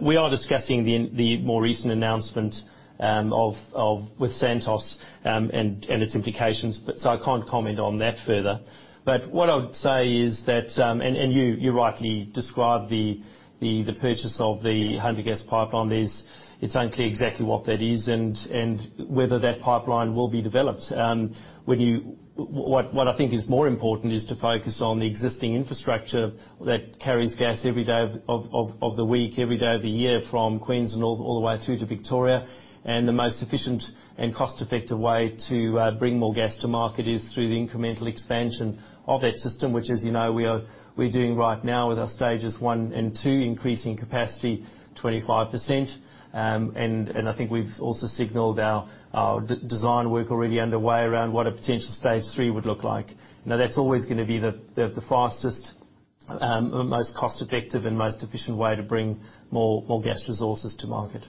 We are discussing the more recent announcement with Santos and its implications, but I can't comment on that further. What I would say is that you rightly described the purchase of the Hunter Gas Pipeline. It's unclear exactly what that is and whether that pipeline will be developed. When you... What I think is more important is to focus on the existing infrastructure that carries gas every day of the week, every day of the year from Queensland all the way through to Victoria. The most efficient and cost-effective way to bring more gas to market is through the incremental expansion of that system, which, as you know, we are doing right now with our stages one and two, increasing capacity 25%. I think we've also signaled our design work already underway around what a potential stage three would look like. Now, that's always gonna be the fastest, most cost-effective and most efficient way to bring more gas resources to market.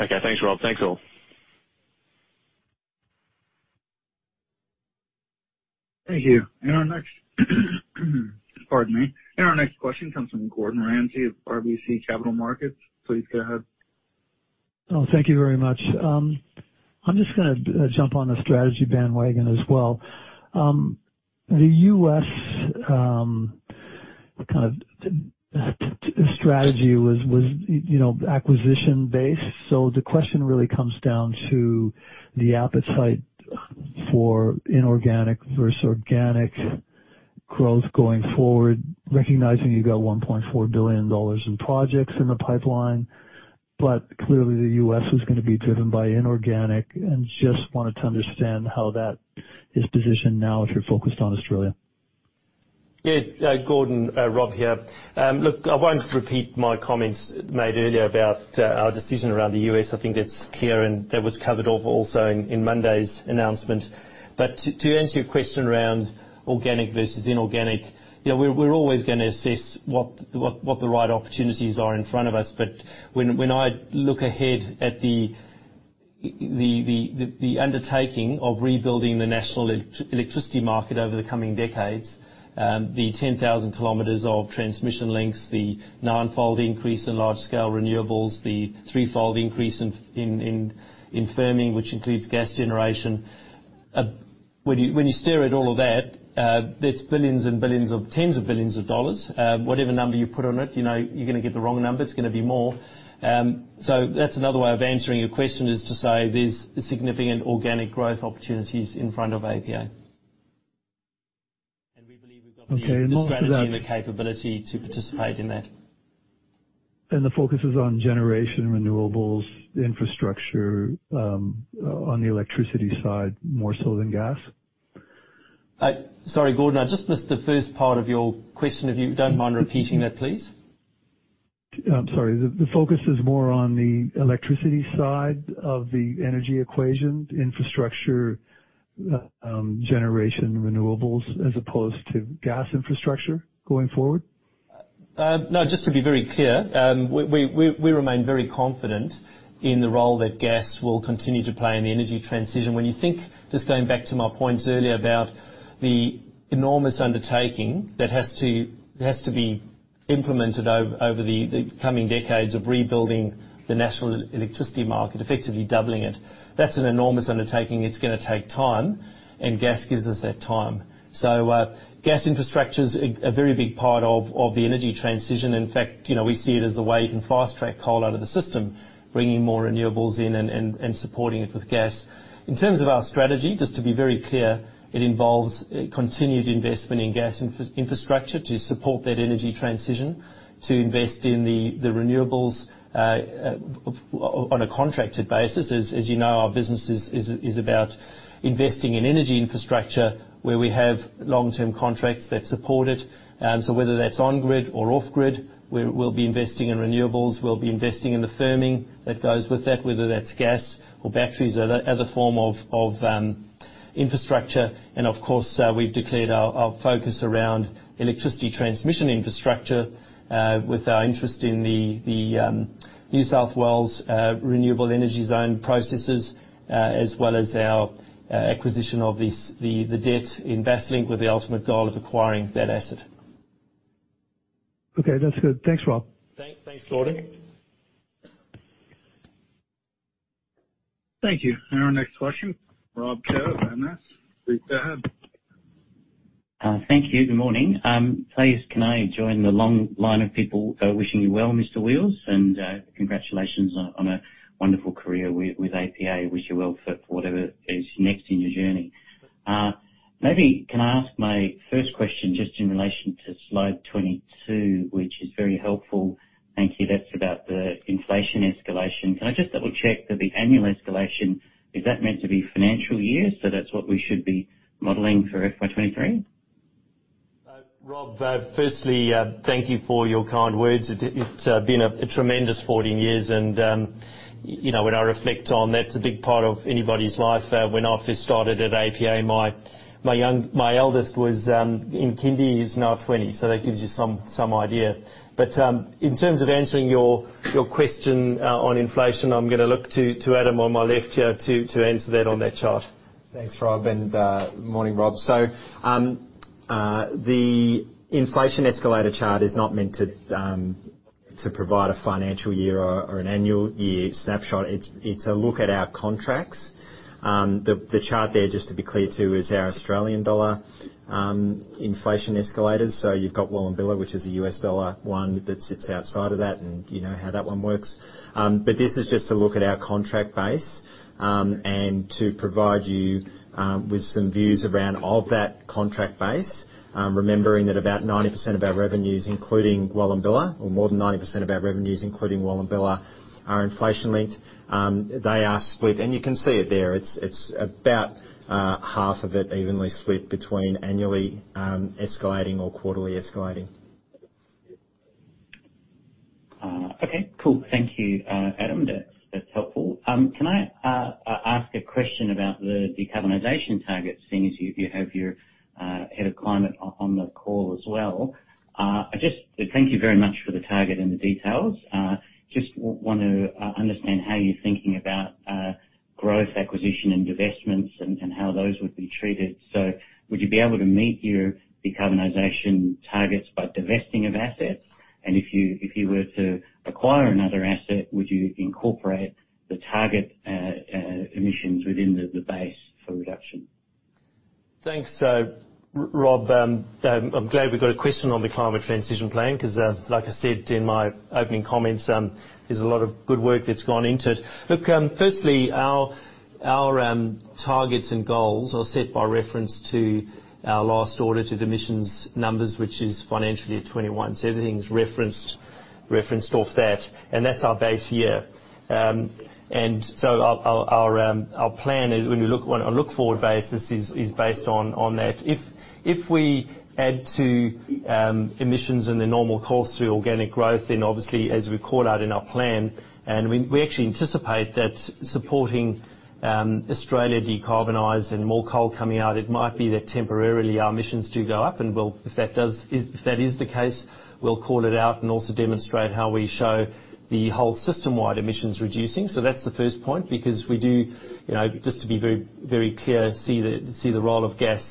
Okay. Thanks, Rob. Thanks, all. Thank you. Our next question comes from Gordon Ramsay of RBC Capital Markets. Please go ahead. Oh, thank you very much. I'm just gonna jump on the strategy bandwagon as well. The US, kind of strategy was, you know, acquisition based. The question really comes down to the appetite for inorganic versus organic growth going forward, recognizing you've got 1.4 billion dollars in projects in the pipeline, but clearly the US was gonna be driven by inorganic and just wanted to understand how that is positioned now that you're focused on Australia. Gordon, Rob here. Look, I won't repeat my comments made earlier about our decision around the US. I think that's clear and that was covered off also in Monday's announcement. To answer your question around organic versus inorganic, you know, we're always gonna assess what the right opportunities are in front of us. When I look ahead at the undertaking of rebuilding the National Electricity Market over the coming decades, the 10,000 km of transmission links, the ninefold increase in large-scale renewables, the threefold increase in firming, which includes gas generation. When you stare at all of that's billions and billions, tens of billions of dollars. Whatever number you put on it, you know you're gonna get the wrong number. It's gonna be more. That's another way of answering your question, is to say there's significant organic growth opportunities in front of APA. We believe we've got the strategy. Okay. the capability to participate in that. The focus is on generation renewables infrastructure, on the electricity side, more so than gas? Sorry, Gordon, I just missed the first part of your question. If you don't mind repeating it, please. I'm sorry. The focus is more on the electricity side of the energy equation, infrastructure, generation renewables, as opposed to gas infrastructure going forward. No, just to be very clear, we remain very confident in the role that gas will continue to play in the energy transition. When you think, just going back to my points earlier about the enormous undertaking that has to be implemented over the coming decades of rebuilding the national electricity market, effectively doubling it. That's an enormous undertaking. It's gonna take time, and gas gives us that time. Gas infrastructure's a very big part of the energy transition. In fact, you know, we see it as a way you can fast-track coal out of the system, bringing more renewables in and supporting it with gas. In terms of our strategy, just to be very clear, it involves a continued investment in gas infrastructure to support that energy transition, to invest in the renewables on a contracted basis. As you know, our business is about investing in energy infrastructure where we have long-term contracts that support it. So whether that's on-grid or off-grid, we'll be investing in renewables, we'll be investing in the firming that goes with that, whether that's gas or batteries or other form of infrastructure. Of course, we've declared our focus around electricity transmission infrastructure with our interest in the New South Wales renewable energy zone processes, as well as our acquisition of the debt in Basslink with the ultimate goal of acquiring that asset. Okay, that's good. Thanks, Rob. Thanks, Gordon. Thank you. Our next question, Rob Gillam, CLSA. Please go ahead. Thank you. Good morning. Please can I join the long line of people wishing you well, Mr. Wheals, and congratulations on a wonderful career with APA. Wish you well for whatever is next in your journey. Maybe can I ask my first question just in relation to slide 22, which is very helpful. Thank you. That's about the inflation escalation. Can I just double-check that the annual escalation is that meant to be financial year, so that's what we should be modeling for FY23? Rob, firstly, thank you for your kind words. It's been a tremendous 14 years and, you know, when I reflect on that it's a big part of anybody's life. When I first started at APA, my eldest was in kindy, he's now 20, so that gives you some idea. In terms of answering your question on inflation, I'm gonna look to Adam on my left here to answer that on that chart. Thanks, Rob, and morning, Rob. The inflation escalator chart is not meant to provide a financial year or an annual year snapshot. It's a look at our contracts. The chart there, just to be clear too, is our Australian dollar inflation escalators. You've got Wallumbilla, which is a US dollar one that sits outside of that, and you know how that one works. This is just to look at our contract base, and to provide you with some views around that contract base. Remembering that more than 90% of our revenues, including Wallumbilla, are inflation-linked. They are split. You can see it there. It's about half of it evenly split between annually escalating or quarterly escalating. Okay. Cool. Thank you, Adam. That's helpful. Can I ask a question about the decarbonization targets, seeing as you have your head of climate on the call as well? Thank you very much for the target and the details. Just want to understand how you're thinking about growth, acquisition, and divestments and how those would be treated. Would you be able to meet your decarbonization targets by divesting of assets? If you were to acquire another asset, would you incorporate the target emissions within the base for reduction? Thanks, Rob. I'm glad we got a question on the climate transition plan 'cause, like I said in my opening comments, there's a lot of good work that's gone into it. Look, firstly, our targets and goals are set by reference to our last audited emissions numbers, which is FY21. So everything's referenced off that, and that's our base year. Our plan is when you look on a look-forward basis is based on that. If we add to emissions in the normal course through organic growth, then obviously, as we call out in our plan, and we actually anticipate that supporting Australia decarbonize and more coal coming out, it might be that temporarily our emissions do go up, and we'll. If that is the case, we'll call it out and also demonstrate how we show the whole system-wide emissions reducing. That's the first point because we do, you know, just to be very, very clear, see the role of gas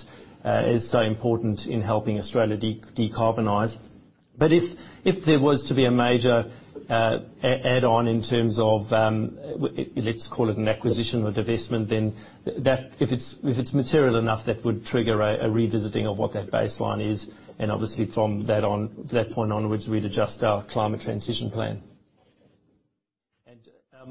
as so important in helping Australia decarbonize. But if there was to be a major add on in terms of, let's call it an acquisition or divestment, then that. If it's material enough, that would trigger a revisiting of what that baseline is, and obviously from that point onwards, we'd adjust our climate transition plan.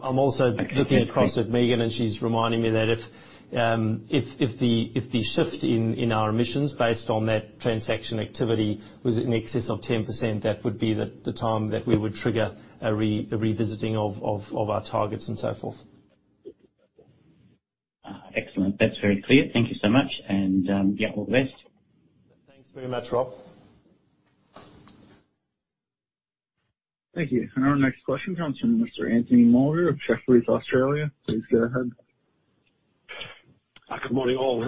I'm also looking across at Megan, and she's reminding me that if the shift in our emissions based on that transaction activity was in excess of 10%, that would be the time that we would trigger a revisiting of our targets and so forth. Excellent. That's very clear. Thank you so much. Yeah, all the best. Thanks very much, Rob. Thank you. Our next question comes from Mr. Anthony Moulder of Jefferies Australia. Please go ahead. Good morning, all.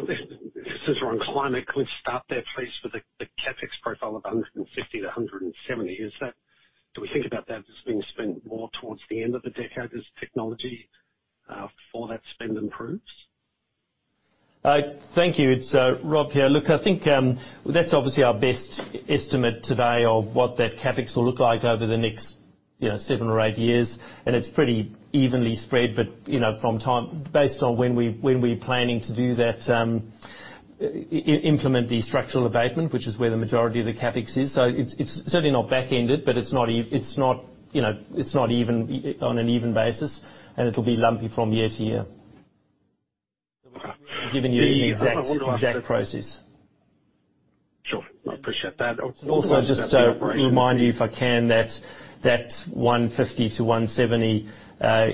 Since we're on climate, can we start there, please, with the CapEx profile of 150-170? Is that? Do we think about that as being spent more towards the end of the decade as technology before that spend improves? Thank you. It's Rob here. Look, I think that's obviously our best estimate today of what that CapEx will look like over the next, you know, seven or eight years, and it's pretty evenly spread. Based on when we're planning to do that, implement the structural abatement, which is where the majority of the CapEx is. It's certainly not back-ended, but it's not, you know, it's not even on an even basis, and it'll be lumpy from year to year. I've given you the exact process. Sure. I appreciate that. Just to remind you if I can, that 150-170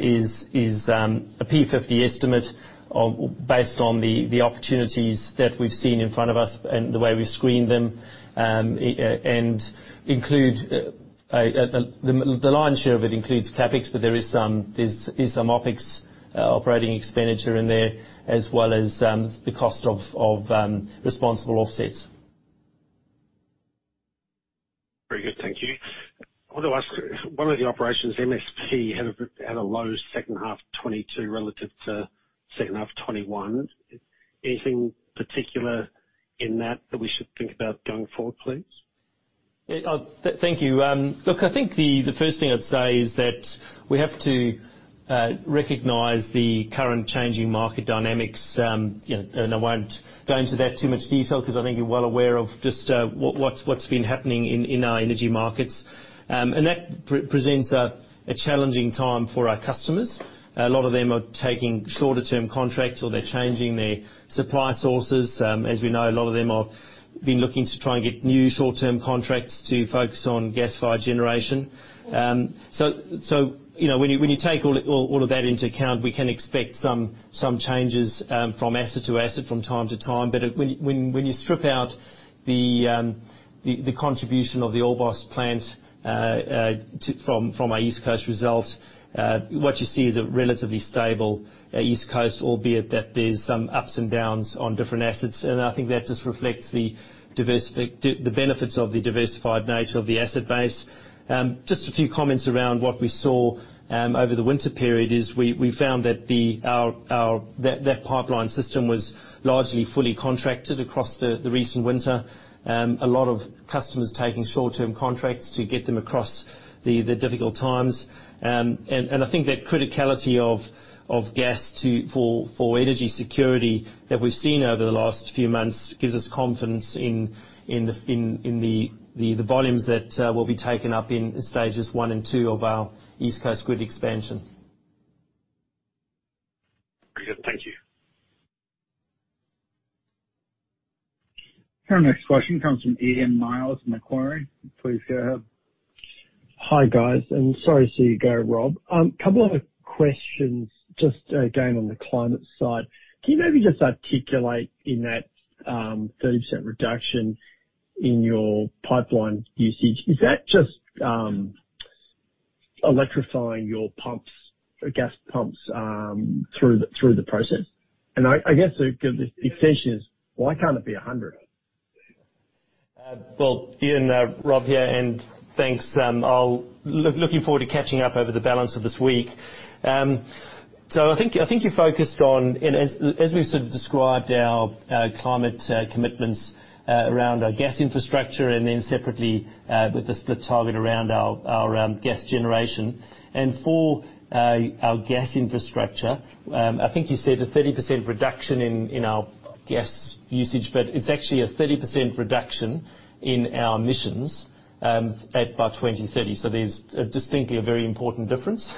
is a P50 estimate based on the opportunities that we've seen in front of us and the way we screen them. The lion's share of it includes CapEx, but there is some OpEx, operating expenditure in there, as well as the cost of responsible offsets. Very good, thank you. I want to ask, one of the operations, MSP, had a low second half 2022 relative to second half 2021. Anything particular in that that we should think about going forward, please? Thank you. Look, I think the first thing I'd say is that we have to recognize the current changing market dynamics. You know, I won't go into that too much detail because I think you're well aware of just what's been happening in our energy markets. That presents a challenging time for our customers. A lot of them are taking shorter-term contracts or they're changing their supply sources. As we know, a lot of them have been looking to try and get new short-term contracts to focus on gas-fired generation. You know, when you take all of that into account, we can expect some changes from asset to asset from time to time. When you strip out the contribution of the Orbost plant from our East Coast results, what you see is a relatively stable East Coast, albeit that there's some ups and downs on different assets. I think that just reflects the benefits of the diversified nature of the asset base. Just a few comments around what we saw over the winter period. We found that our pipeline system was largely fully contracted across the recent winter. A lot of customers taking short-term contracts to get them across the difficult times. I think that criticality of gas for energy security that we've seen over the last few months gives us confidence in the volumes that will be taken up in stages 1 and 2 of our East Coast Gas Grid expansion. Very good. Thank you. Our next question comes from Ian Myles, Macquarie. Please go ahead. Hi, guys, and sorry to see you go, Rob. Couple of questions, just again, on the climate side. Can you maybe just articulate in that 30% reduction in your pipeline usage? Is that just electrifying your pumps or gas pumps through the process? I guess the extension is, why can't it be 100%? Well, Ian, Rob here, and thanks. Looking forward to catching up over the balance of this week. I think you focused on. As we sort of described our climate commitments around our gas infrastructure and then separately with the split target around our gas generation. For our gas infrastructure, I think you said a 30% reduction in our gas usage, but it's actually a 30% reduction in our emissions by 2030. There's distinctly a very important difference.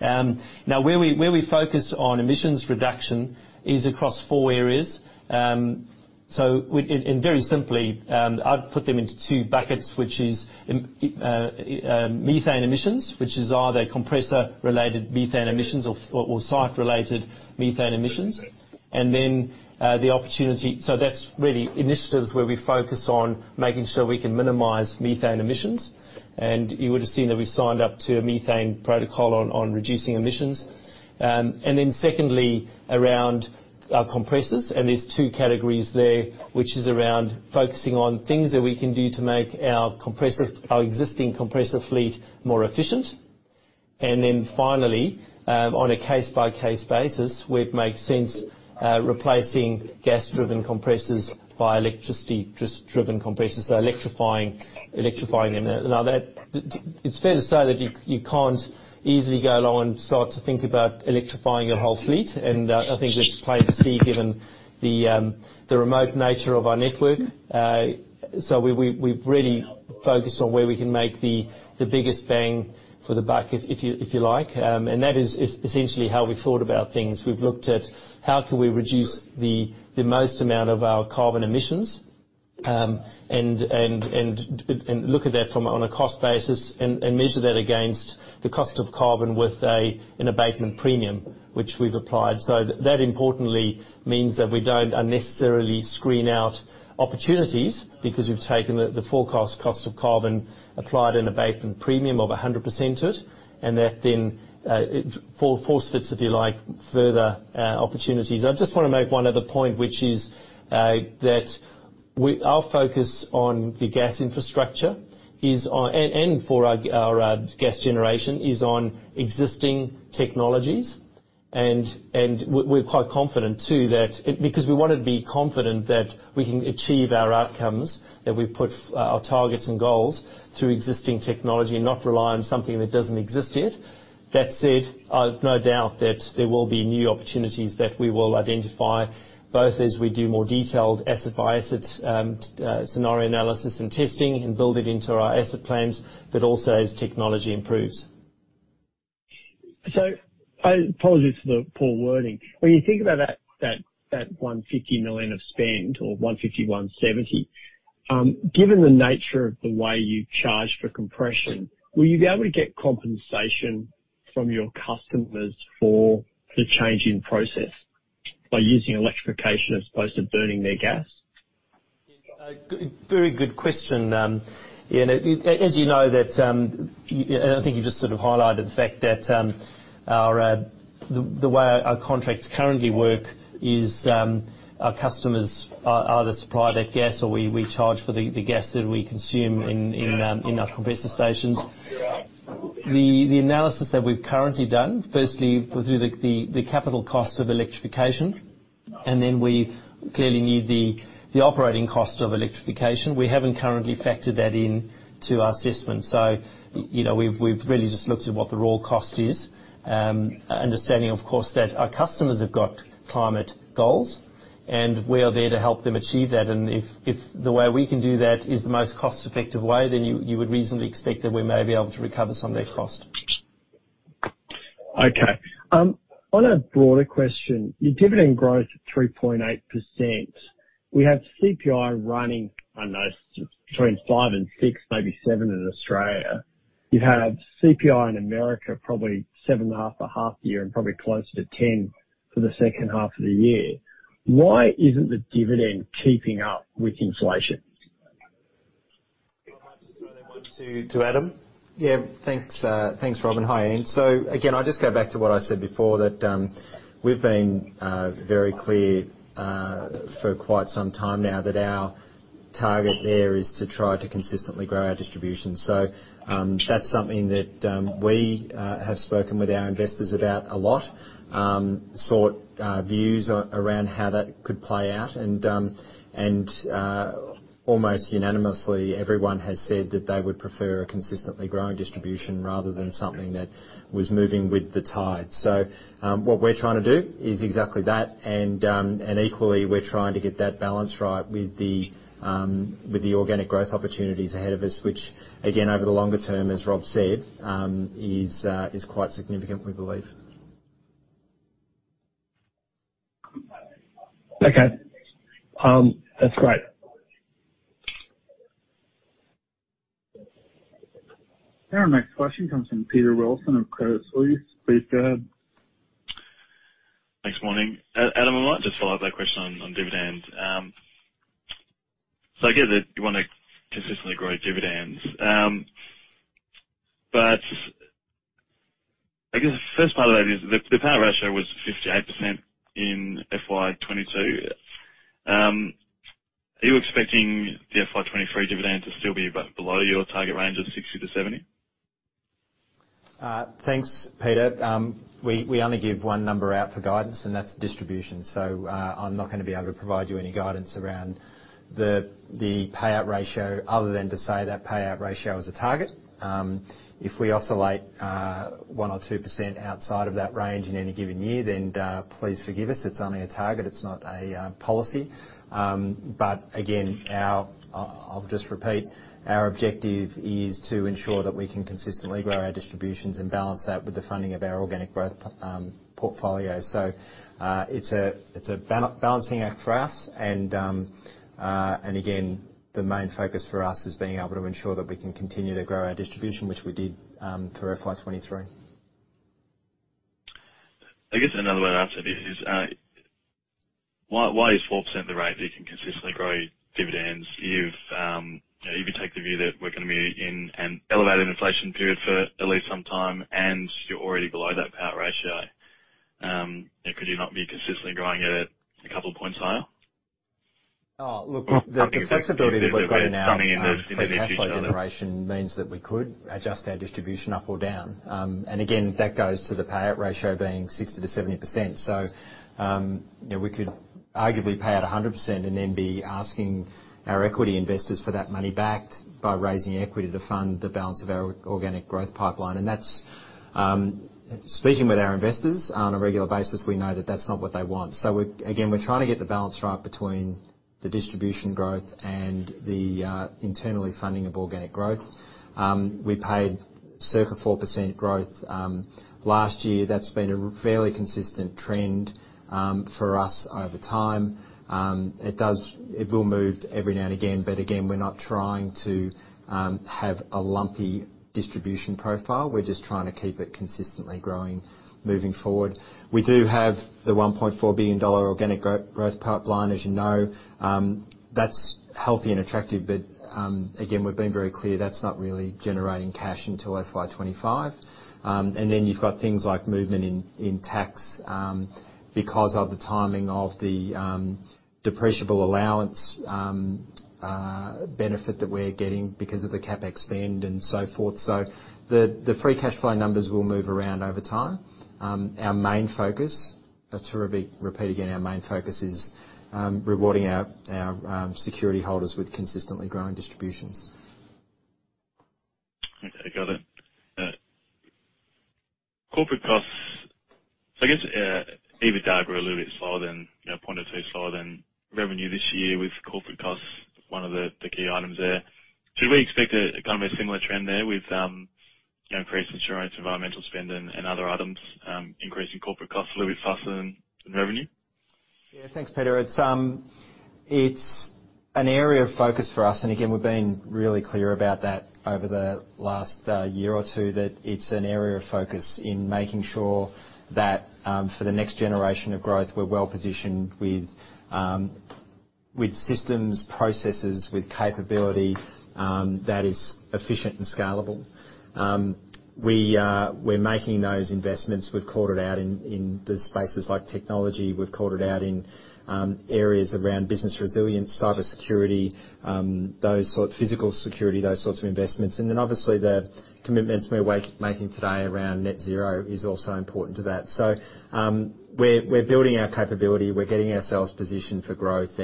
Now, where we focus on emissions reduction is across four areas. Very simply, I'd put them into two buckets, which is methane emissions, which is either compressor-related methane emissions or site-related methane emissions. That's really initiatives where we focus on making sure we can minimize methane emissions. You would have seen that we signed up to a methane protocol on reducing emissions. Secondly, around our compressors, there's two categories there, which is around focusing on things that we can do to make our existing compressor fleet more efficient. Finally, on a case-by-case basis, where it makes sense, replacing gas-driven compressors by electricity-driven compressors, so electrifying them. Now, it's fair to say that you can't easily go along and start to think about electrifying your whole fleet. I think that's plain to see given the remote nature of our network. We've really focused on where we can make the biggest bang for the buck if you like. That is essentially how we've thought about things. We've looked at how can we reduce the most amount of our carbon emissions, and look at that on a cost basis and measure that against the cost of carbon with an abatement premium, which we've applied. That importantly means that we don't unnecessarily screen out opportunities because we've taken the forecast cost of carbon applied an abatement premium of 100% to it, and that then it forces, if you like, further opportunities. I just wanna make one other point, which is that our focus on the gas infrastructure is on... For our gas generation is on existing technologies. We're quite confident too, because we wanna be confident that we can achieve our outcomes, that we've put our targets and goals to existing technology and not rely on something that doesn't exist yet. That said, I've no doubt that there will be new opportunities that we will identify, both as we do more detailed asset-by-asset scenario analysis and testing and build it into our asset plans, but also as technology improves. Apologies for the poor wording. When you think about that 150 million of spend or 150-170, given the nature of the way you charge for compression, will you be able to get compensation from your customers for the change in process by using electrification as opposed to burning their gas? Very good question, you know. As you know that, you know, and I think you just sort of highlighted the fact that, our the way our contracts currently work is, our customers either supply that gas or we charge for the gas that we consume in our compressor stations. The analysis that we've currently done, firstly was really the capital cost of electrification, and then we clearly need the operating cost of electrification. We haven't currently factored that in to our assessment. You know, we've really just looked at what the raw cost is, understanding of course that our customers have got climate goals, and we are there to help them achieve that. If the way we can do that is the most cost-effective way, then you would reasonably expect that we may be able to recover some of their cost. Okay. On a broader question, your dividend growth at 3.8%. We have CPI running, I don't know, between five and six, maybe seven in Australia. You have CPI in America, probably 7.5 for half the year and probably closer to 10 for the second half of the year. Why isn't the dividend keeping up with inflation? I'll just throw that one to Adam. Yeah, thanks. Thanks, Rob. Hi, Ian. Again, I'll just go back to what I said before, that we've been very clear for quite some time now that our target there is to try to consistently grow our distribution. That's something that we have spoken with our investors about a lot, sought views around how that could play out. Almost unanimously, everyone has said that they would prefer a consistently growing distribution rather than something that was moving with the tide. What we're trying to do is exactly that. Equally, we're trying to get that balance right with the organic growth opportunities ahead of us, which again, over the longer term, as Rob said, is quite significant, we believe. Okay. That's great. Our next question comes from Peter Wilson of Credit Suisse. Please go ahead. Thanks. Morning. Adam, I might just follow up that question on dividends. So I get that you wanna consistently grow dividends. I guess the first part of that is the payout ratio was 58% in FY22. Are you expecting the FY23 dividend to still be below your target range of 60-70? Thanks, Peter. We only give one number out for guidance, and that's distribution. I'm not gonna be able to provide you any guidance around the payout ratio other than to say that payout ratio is a target. If we oscillate 1 or 2% outside of that range in any given year, then please forgive us. It's only a target, it's not a policy. Again, I'll just repeat, our objective is to ensure that we can consistently grow our distributions and balance that with the funding of our organic growth portfolio. It's a balancing act for us. Again, the main focus for us is being able to ensure that we can continue to grow our distribution, which we did for FY 2023. I guess another way to ask that is, why is 4% the rate that you can consistently grow your dividends? You know, you could take the view that we're gonna be in an elevated inflation period for at least some time, and you're already below that payout ratio. Could you not be consistently growing it at a couple points higher? Oh, look, the flexibility that we have in our free cash flow generation means that we could adjust our distribution up or down. Again, that goes to the payout ratio being 60%-70%. You know, we could arguably pay out 100% and then be asking our equity investors for that money back by raising equity to fund the balance of our organic growth pipeline. That's speaking with our investors on a regular basis, we know that that's not what they want. Again, we're trying to get the balance right between the distribution growth and the internally funding of organic growth. We paid circa 4% growth last year. That's been a fairly consistent trend for us over time. It does. It will move every now and again, but again, we're not trying to have a lumpy distribution profile. We're just trying to keep it consistently growing moving forward. We do have the 1.4 billion dollar organic growth pipeline, as you know. That's healthy and attractive, but again, we've been very clear, that's not really generating cash until FY 2025. You've got things like movement in tax because of the timing of the depreciable allowance benefit that we're getting because of the CapEx spend and so forth. The free cash flow numbers will move around over time. Our main focus, to repeat again, our main focus is rewarding our security holders with consistently growing distributions. Okay, got it. Corporate costs, I guess, EBITDA grew a little bit slower than 0.2% slower than revenue this year with corporate costs, one of the key items there. Should we expect a similar trend there with increased insurance, environmental spend and other items increasing corporate costs a little bit faster than revenue? Yeah. Thanks, Peter. It's an area of focus for us. Again, we've been really clear about that over the last year or two, that it's an area of focus in making sure that for the next generation of growth, we're well positioned with systems, processes, with capability that is efficient and scalable. We're making those investments. We've called it out in spaces like technology. We've called it out in areas around business resilience, cybersecurity, physical security, those sorts of investments. Then obviously the commitments we're making today around net zero is also important to that. We're building our capability. We're getting ourselves positioned for growth.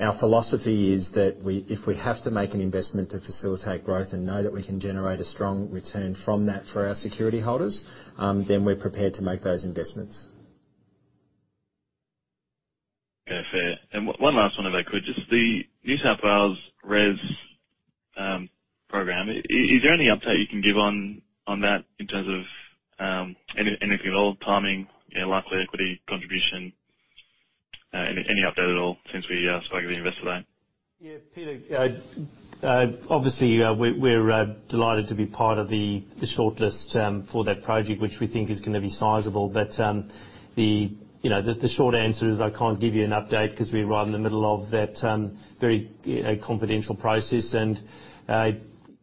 Our philosophy is that we, if we have to make an investment to facilitate growth and know that we can generate a strong return from that for our security holders, then we're prepared to make those investments. Okay. Fair. One last one if I could. Just the New South Wales REZ program. Is there any update you can give on that in terms of anything at all, timing, you know, likely equity contribution? Any update at all since we spoke at the investor day? Yeah. Peter, obviously, we're delighted to be part of the shortlist for that project, which we think is gonna be sizable. The short answer is I can't give you an update 'cause we're right in the middle of that very confidential process.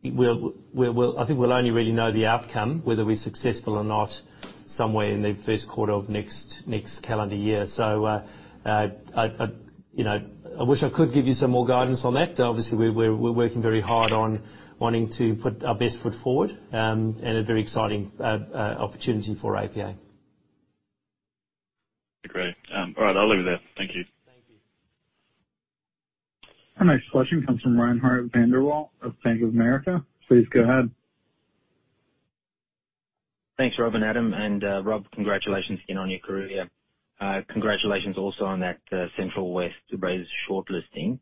We'll only really know the outcome, whether we're successful or not, somewhere in the first quarter of next calendar year. I wish I could give you some more guidance on that. Obviously, we're working very hard on wanting to put our best foot forward and a very exciting opportunity for APA. Agreed. All right, I'll leave it there. Thank you. Thank you. Our next question comes from Reinhardt van der Walt of Bank of America. Please go ahead. Thanks, Rob and Adam. Rob, congratulations again on your career. Congratulations also on that Central-West Orana shortlisting.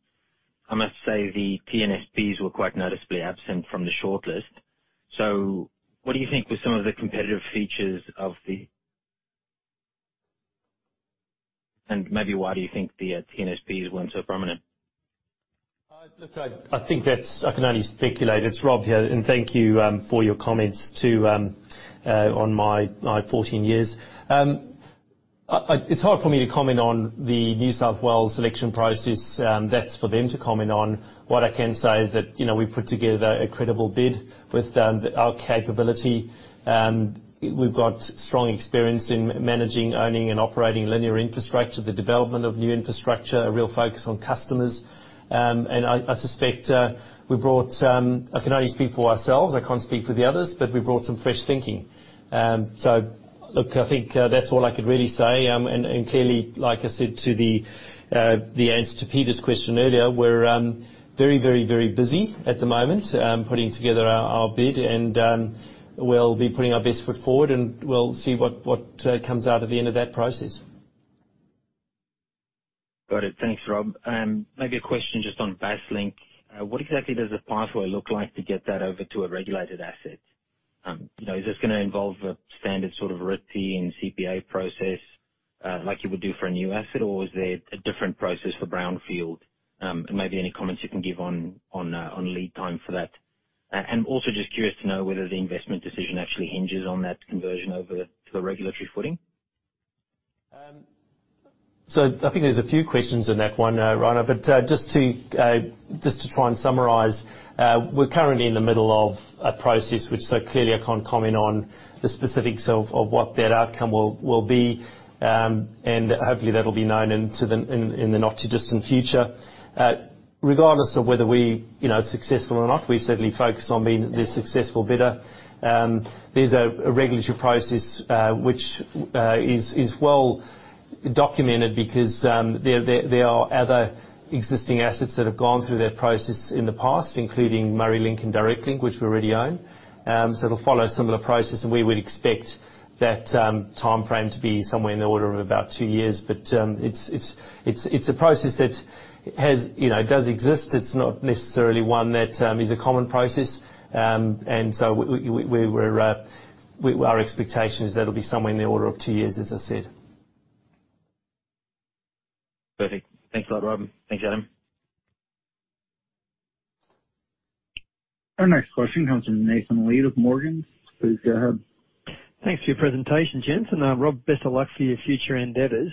I must say the TNSPs were quite noticeably absent from the shortlist. What do you think were some of the competitive features. Maybe why do you think the TNSPs weren't so prominent? I can only speculate. It's Rob here. Thank you for your comments too on my 14 years. It's hard for me to comment on the New South Wales selection process. That's for them to comment on. What I can say is that, you know, we put together a credible bid with our capability. We've got strong experience in managing, owning, and operating linear infrastructure, the development of new infrastructure, a real focus on customers. I suspect we brought. I can only speak for ourselves. I can't speak for the others, but we brought some fresh thinking. Look, I think that's all I could really say. Clearly, like I said, the answer to Peter's question earlier, we're very busy at the moment putting together our bid and we'll be putting our best foot forward and we'll see what comes out of the end of that process. Got it. Thanks, Rob. Maybe a question just on Basslink. What exactly does the pathway look like to get that over to a regulated asset? You know, is this gonna involve a standard sort of RIT-T and CPA process, like you would do for a new asset, or is there a different process for brownfield? And maybe any comments you can give on lead time for that. And also just curious to know whether the investment decision actually hinges on that conversion over to the regulatory footing. I think there's a few questions in that one, Reinhardt. Just to try and summarize, we're currently in the middle of a process which so clearly I can't comment on the specifics of what that outcome will be. Hopefully that'll be known in the not too distant future. Regardless of whether we, you know, successful or not, we certainly focus on being the successful bidder. There's a regulatory process which is well Documented because there are other existing assets that have gone through that process in the past, including Murraylink, Directlink, which we already own. It'll follow a similar process, and we would expect that timeframe to be somewhere in the order of about two years. It's a process that, you know, does exist. It's not necessarily one that is a common process. Our expectation is that'll be somewhere in the older of two years, as I said. Perfect. Thanks a lot, Rob. Thanks, Adam. Our next question comes from Nathan Lead of Morgans. Please go ahead. Thanks for your presentation, gents. Rob, best of luck for your future endeavors.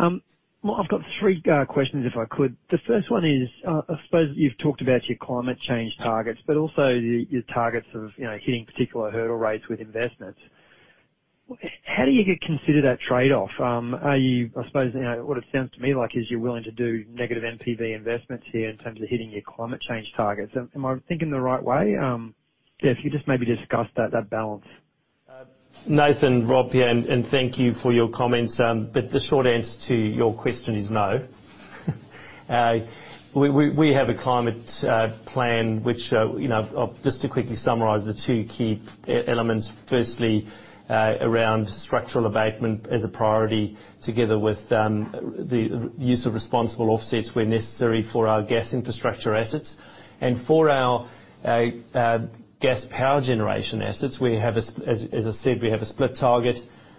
I've got three questions, if I could. The first one is, I suppose you've talked about your climate change targets, but also your targets of, you know, hitting particular hurdle rates with investments. How do you consider that trade-off? I suppose, you know, what it sounds to me like is you're willing to do negative NPV investments here in terms of hitting your climate change targets. Am I thinking the right way? If you just maybe discuss that balance. Nathan Lead, Rob Wheals here, and thank you for your comments. The short answer to your question is no. We have a climate plan which, you know, I'll just to quickly summarize the two key elements. Firstly, around structural abatement as a priority together with the use of responsible offsets where necessary for our gas infrastructure assets. For our gas power generation assets, as I said, we have a split target,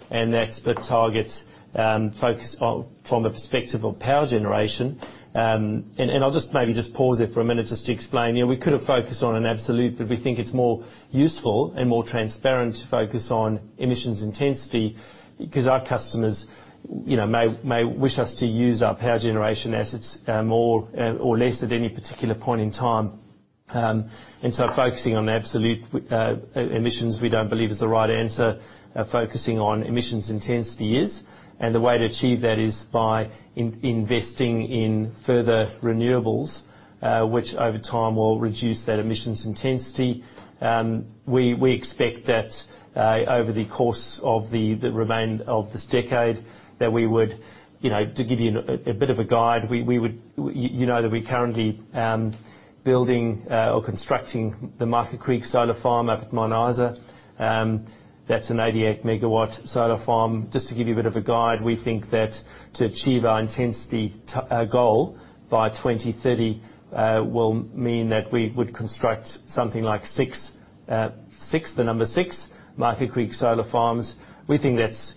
and that split target focus on from the perspective of power generation. I'll just maybe just pause there for a minute just to explain. You know, we could have focused on an absolute, but we think it's more useful and more transparent to focus on emissions intensity because our customers, you know, may wish us to use our power generation assets, more or less at any particular point in time. Focusing on absolute emissions, we don't believe is the right answer, focusing on emissions intensity is, and the way to achieve that is by investing in further renewables, which over time will reduce that emissions intensity. We expect that over the course of the remainder of this decade, that we would, you know, to give you a bit of a guide, we would. You know that we're currently building or constructing the Mica Creek Solar Farm up at Mount Isa. That's an 88-MW solar farm. Just to give you a bit of a guide, we think that to achieve our intensity goal by 2030 will mean that we would construct something like six Mica Creek Solar Farms. We think that's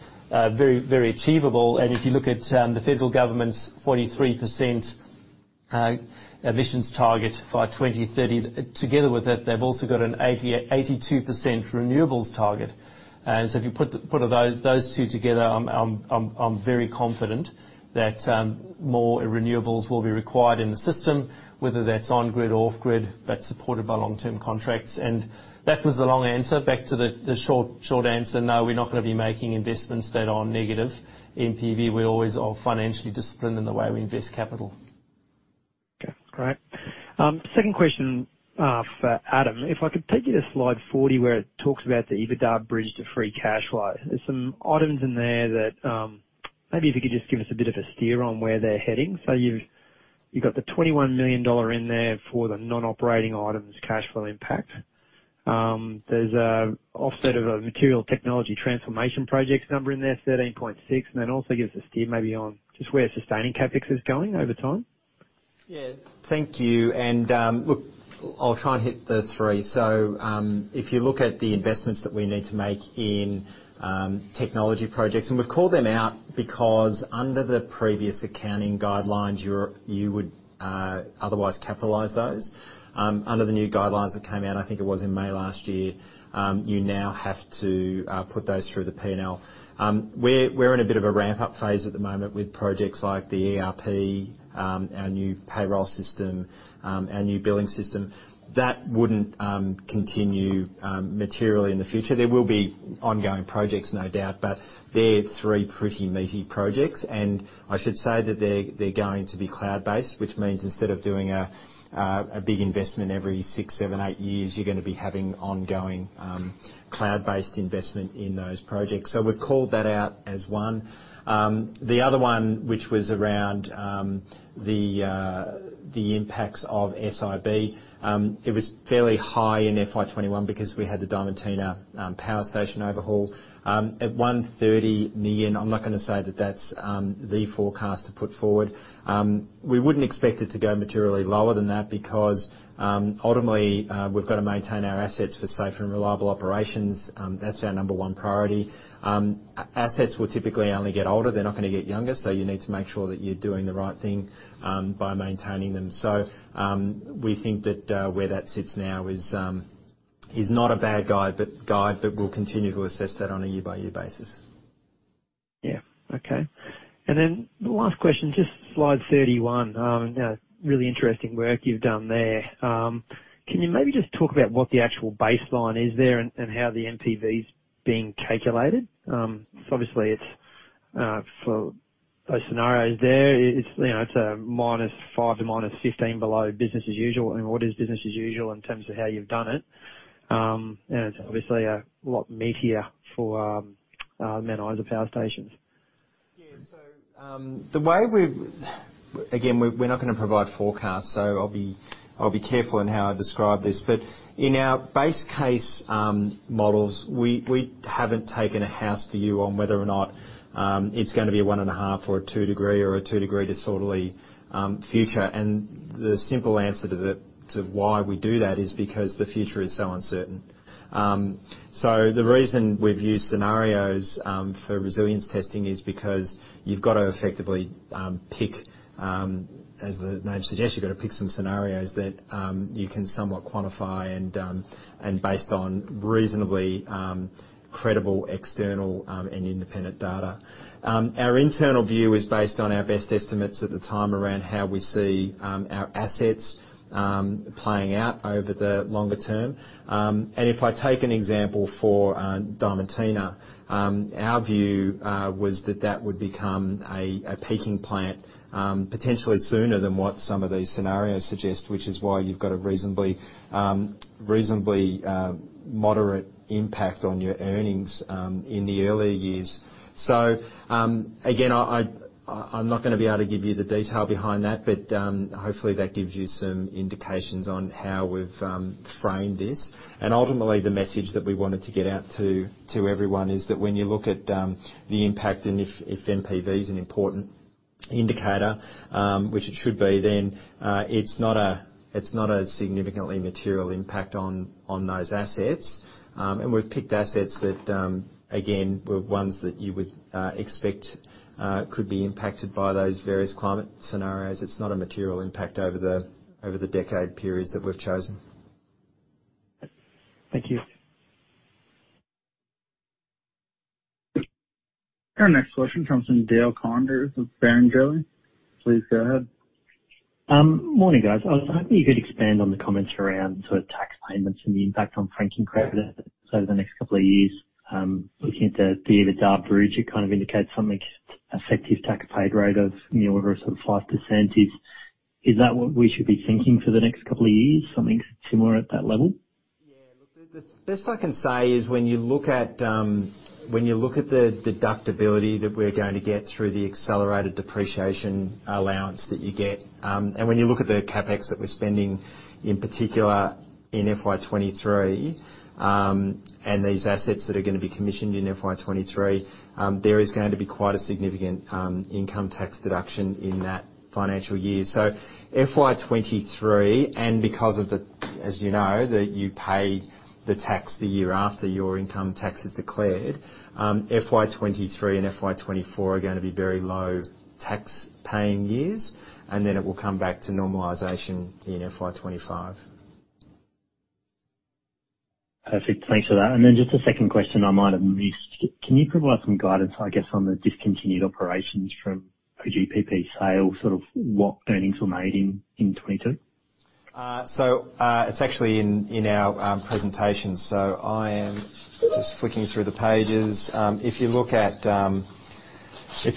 very achievable. If you look at the federal government's 43% emissions target by 2030, together with that, they've also got an 82% renewables target. So if you put those two together, I'm very confident that more renewables will be required in the system, whether that's on-grid or off-grid, that's supported by long-term contracts. That was the long answer. Back to the short answer. No, we're not gonna be making investments that are negative NPV. We always are financially disciplined in the way we invest capital. Okay, great. Second question for Adam. If I could take you to slide 40 where it talks about the EBITDA bridge to free cash flow. There's some items in there that, maybe if you could just give us a bit of a steer on where they're heading. You've got the 21 million dollar in there for the non-operating items cash flow impact. There's an offset of a material technology transformation projects number in there, 13.6 million, and then also give us a steer maybe on just where sustaining CapEx is going over time. Yeah, thank you. Look, I'll try and hit the three. If you look at the investments that we need to make in technology projects, and we've called them out because under the previous accounting guidelines, you would otherwise capitalize those. Under the new guidelines that came out, I think it was in May last year, you now have to put those through the P&L. We're in a bit of a ramp-up phase at the moment with projects like the ERP, our new payroll system, our new billing system. That wouldn't continue materially in the future. There will be ongoing projects, no doubt, but they're three pretty meaty projects. I should say that they're going to be cloud-based, which means instead of doing a big investment every six, seven, eight years, you're gonna be having ongoing cloud-based investment in those projects. We've called that out as one. The other one, which was around the impacts of SIB, it was fairly high in FY21 because we had the Diamantina Power Station overhaul. At 130 million, I'm not gonna say that that's the forecast to put forward. We wouldn't expect it to go materially lower than that because ultimately we've got to maintain our assets for safer and reliable operations. That's our number one priority. Assets will typically only get older. They're not gonna get younger, so you need to make sure that you're doing the right thing by maintaining them. We think that where that sits now is not a bad guide, but we'll continue to assess that on a year by year basis. Okay. The last question, just slide 31. Really interesting work you've done there. Can you maybe just talk about what the actual baseline is there and how the NPV is being calculated? Obviously it's for those scenarios there, you know, it's a -5 to -15 below business as usual. What is business as usual in terms of how you've done it? It's obviously a lot meatier for Mount Isa power stations. Again, we're not gonna provide forecasts, so I'll be careful in how I describe this. In our base case models, we haven't taken a house view on whether or not it's gonna be 1.5 or 2-degree disorderly future. The simple answer to why we do that is because the future is so uncertain. The reason we've used scenarios for resilience testing is because you've got to effectively pick, as the name suggests, some scenarios that you can somewhat quantify and based on reasonably credible external and independent data. Our internal view is based on our best estimates at the time around how we see our assets playing out over the longer term. If I take an example for Diamantina, our view was that that would become a peaking plant potentially sooner than what some of these scenarios suggest, which is why you've got a reasonably moderate impact on your earnings in the earlier years. Again, I'm not gonna be able to give you the detail behind that, but hopefully that gives you some indications on how we've framed this. Ultimately, the message that we wanted to get out to everyone is that when you look at the impact and if NPV is an important indicator, which it should be, then it's not a significantly material impact on those assets. We've picked assets that again were ones that you would expect could be impacted by those various climate scenarios. It's not a material impact over the decade periods that we've chosen. Thank you. Our next question comes from Dale Koenders of Barrenjoey. Please go ahead. Morning, guys. I was hoping you could expand on the comments around sort of tax payments and the impact on franking credit over the next couple of years. Looking at the EBITDA bridge, it kind of indicates something effective tax paid rate of in the order of sort of 5%. Is that what we should be thinking for the next couple of years, something similar at that level? Yeah. Look, the best I can say is when you look at the deductibility that we're going to get through the accelerated depreciation allowance that you get, and when you look at the CapEx that we're spending, in particular in FY23, and these assets that are gonna be commissioned in FY23, there is going to be quite a significant income tax deduction in that financial year. FY23, and because of the, as you know, that you pay the tax the year after your income tax is declared, FY23 and FY24 are gonna be very low tax paying years, and then it will come back to normalization in FY25. Perfect. Thanks for that. Just a second question I might have missed. Can you provide some guidance, I guess, on the discontinued operations from OGPP sale, sort of what earnings were made in 2022? It's actually in our presentation. I am just flicking through the pages. If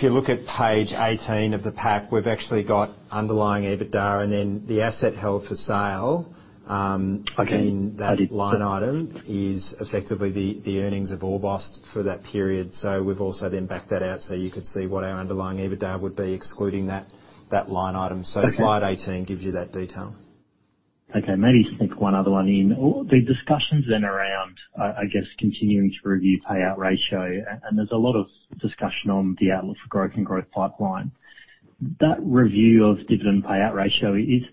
you look at page 18 of the pack, we've actually got underlying EBITDA, and then the asset held for sale. Okay. In that line item is effectively the earnings of Orbost for that period. We've also then backed that out so you could see what our underlying EBITDA would be, excluding that line item. Okay. Slide 18 gives you that detail. Okay. Maybe sneak one other one in. All the discussions then around, I guess, continuing to review payout ratio, and there's a lot of discussion on the outlook for growth and growth pipeline. That review of dividend payout ratio, is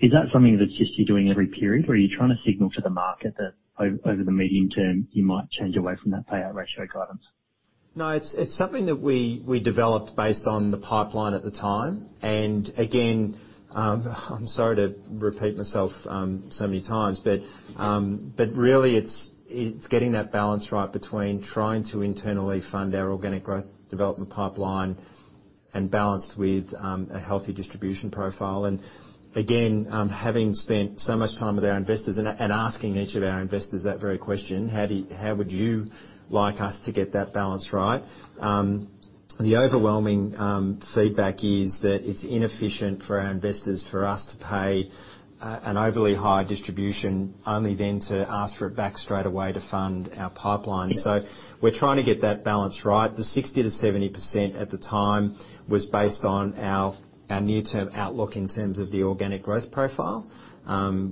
that something that's just you're doing every period, or are you trying to signal to the market that over the medium term you might change away from that payout ratio guidance? No, it's something that we developed based on the pipeline at the time. Again, I'm sorry to repeat myself so many times, but really it's getting that balance right between trying to internally fund our organic growth development pipeline and balanced with a healthy distribution profile. Again, having spent so much time with our investors and asking each of our investors that very question, "How would you like us to get that balance right?" The overwhelming feedback is that it's inefficient for our investors, for us to pay an overly high distribution, only then to ask for it back straight away to fund our pipeline. We're trying to get that balance right. The 60%-70% at the time was based on our near-term outlook in terms of the organic growth profile,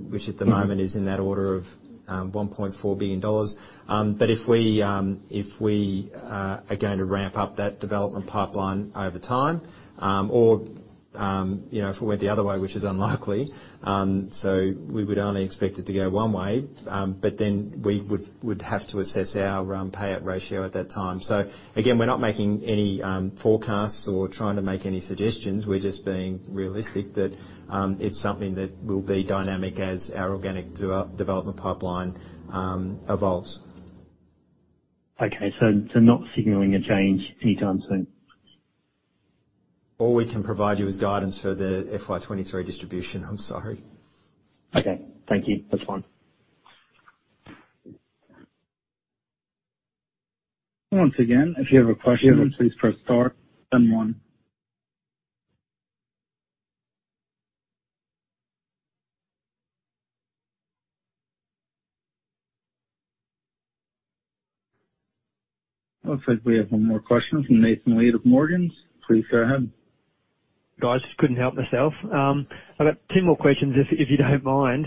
which at the moment is in that order of 1.4 billion dollars. If we are going to ramp up that development pipeline over time, or you know, if it went the other way, which is unlikely, so we would only expect it to go one way. Then we would have to assess our payout ratio at that time. Again, we're not making any forecasts or trying to make any suggestions. We're just being realistic that it's something that will be dynamic as our organic development pipeline evolves. Okay. Not signaling a change anytime soon. All we can provide you is guidance for the FY23 distribution. I'm sorry. Okay. Thank you. That's fine. Once again, if you have a question, please press star then one. Looks like we have one more question from Nathan Lead of Morgans. Please go ahead. Guys, couldn't help myself. I've got two more questions if you don't mind.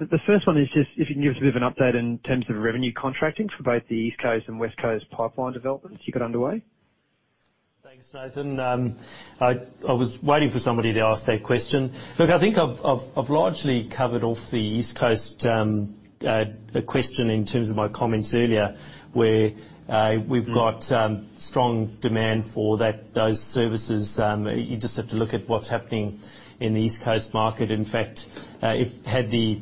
The first one is just if you can give us a bit of an update in terms of revenue contracting for both the East Coast and West Coast pipeline developments you got underway. Thanks, Nathan. I was waiting for somebody to ask that question. Look, I think I've largely covered off the East Coast, the question in terms of my comments earlier, where we've got strong demand for those services. You just have to look at what's happening in the East Coast market. In fact, if the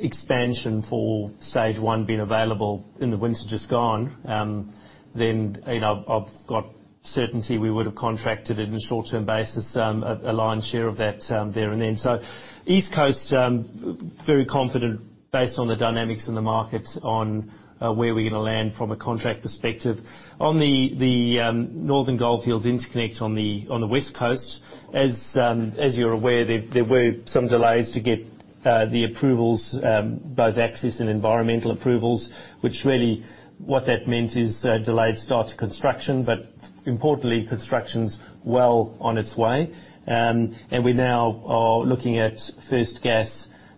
expansion for stage one had been available in the winter just gone, then, you know, I've got certainty we would have contracted it in a short-term basis, a lion's share of that, there and then. East Coast, very confident based on the dynamics in the markets on where we're gonna land from a contract perspective. On the Northern Goldfields Interconnect on the West Coast. As you're aware, there were some delays to get the approvals, both access and environmental approvals, which really, what that meant is a delayed start to construction. Importantly, construction's well on its way. We now are looking at first gas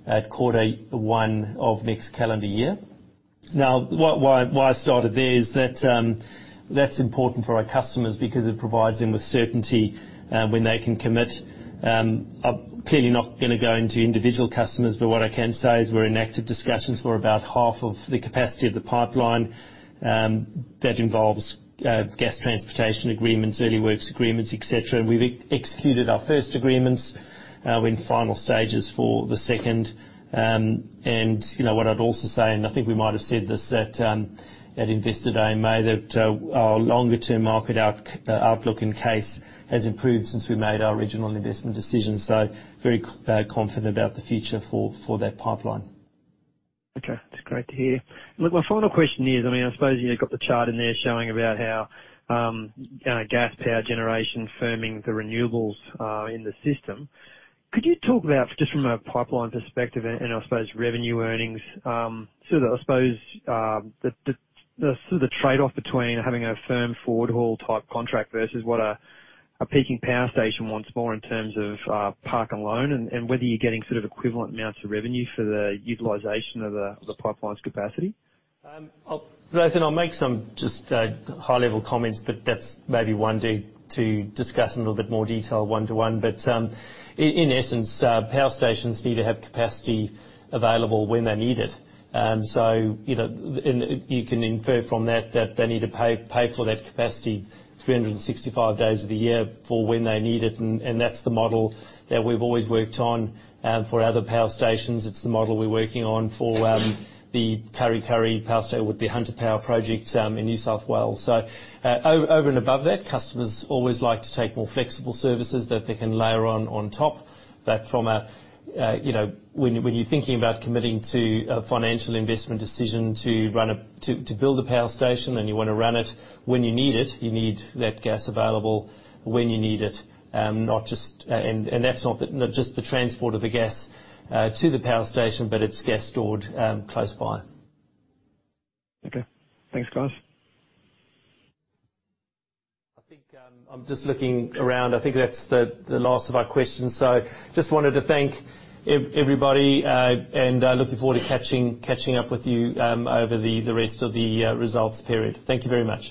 at quarter one of next calendar year. Now, why I started there is that's important for our customers because it provides them with certainty when they can commit. I'm clearly not gonna go into individual customers, what I can say is we're in active discussions for about half of the capacity of the pipeline, that involves gas transportation agreements, early works agreements, et cetera. We've executed our first agreements, in final stages for the second. You know, what I'd also say, and I think we might have said this at Investor Day in May, that our longer-term market outlook and case has improved since we made our original investment decision. Very confident about the future for that pipeline. Okay. That's great to hear. Look, my final question is, I mean, I suppose you got the chart in there showing about how, gas power generation firming the renewables, in the system. Could you talk about just from a pipeline perspective and I suppose revenue earnings, sort of I suppose, the sort of trade-off between having a firm forward haul type contract versus what a peaking power station wants more in terms of, park and loan, and whether you're getting sort of equivalent amounts of revenue for the utilization of the pipeline's capacity? Nathan, I'll make some just high-level comments, but that's maybe one to discuss in a little bit more detail one-to-one. In essence, power stations need to have capacity available when they need it. You know, and you can infer from that they need to pay for that capacity 365 days of the year for when they need it. And that's the model that we've always worked on for other power stations. It's the model we're working on for the Kurri Kurri Power Station with the Hunter Power Project in New South Wales. Over and above that, customers always like to take more flexible services that they can layer on top. From a, you know, when you're thinking about committing to a financial investment decision to build a power station and you wanna run it when you need it, you need that gas available when you need it, not just the transport of the gas to the power station, but it's gas stored close by. Okay. Thanks, guys. I think I'm just looking around. I think that's the last of our questions. Just wanted to thank everybody and looking forward to catching up with you over the rest of the results period. Thank you very much.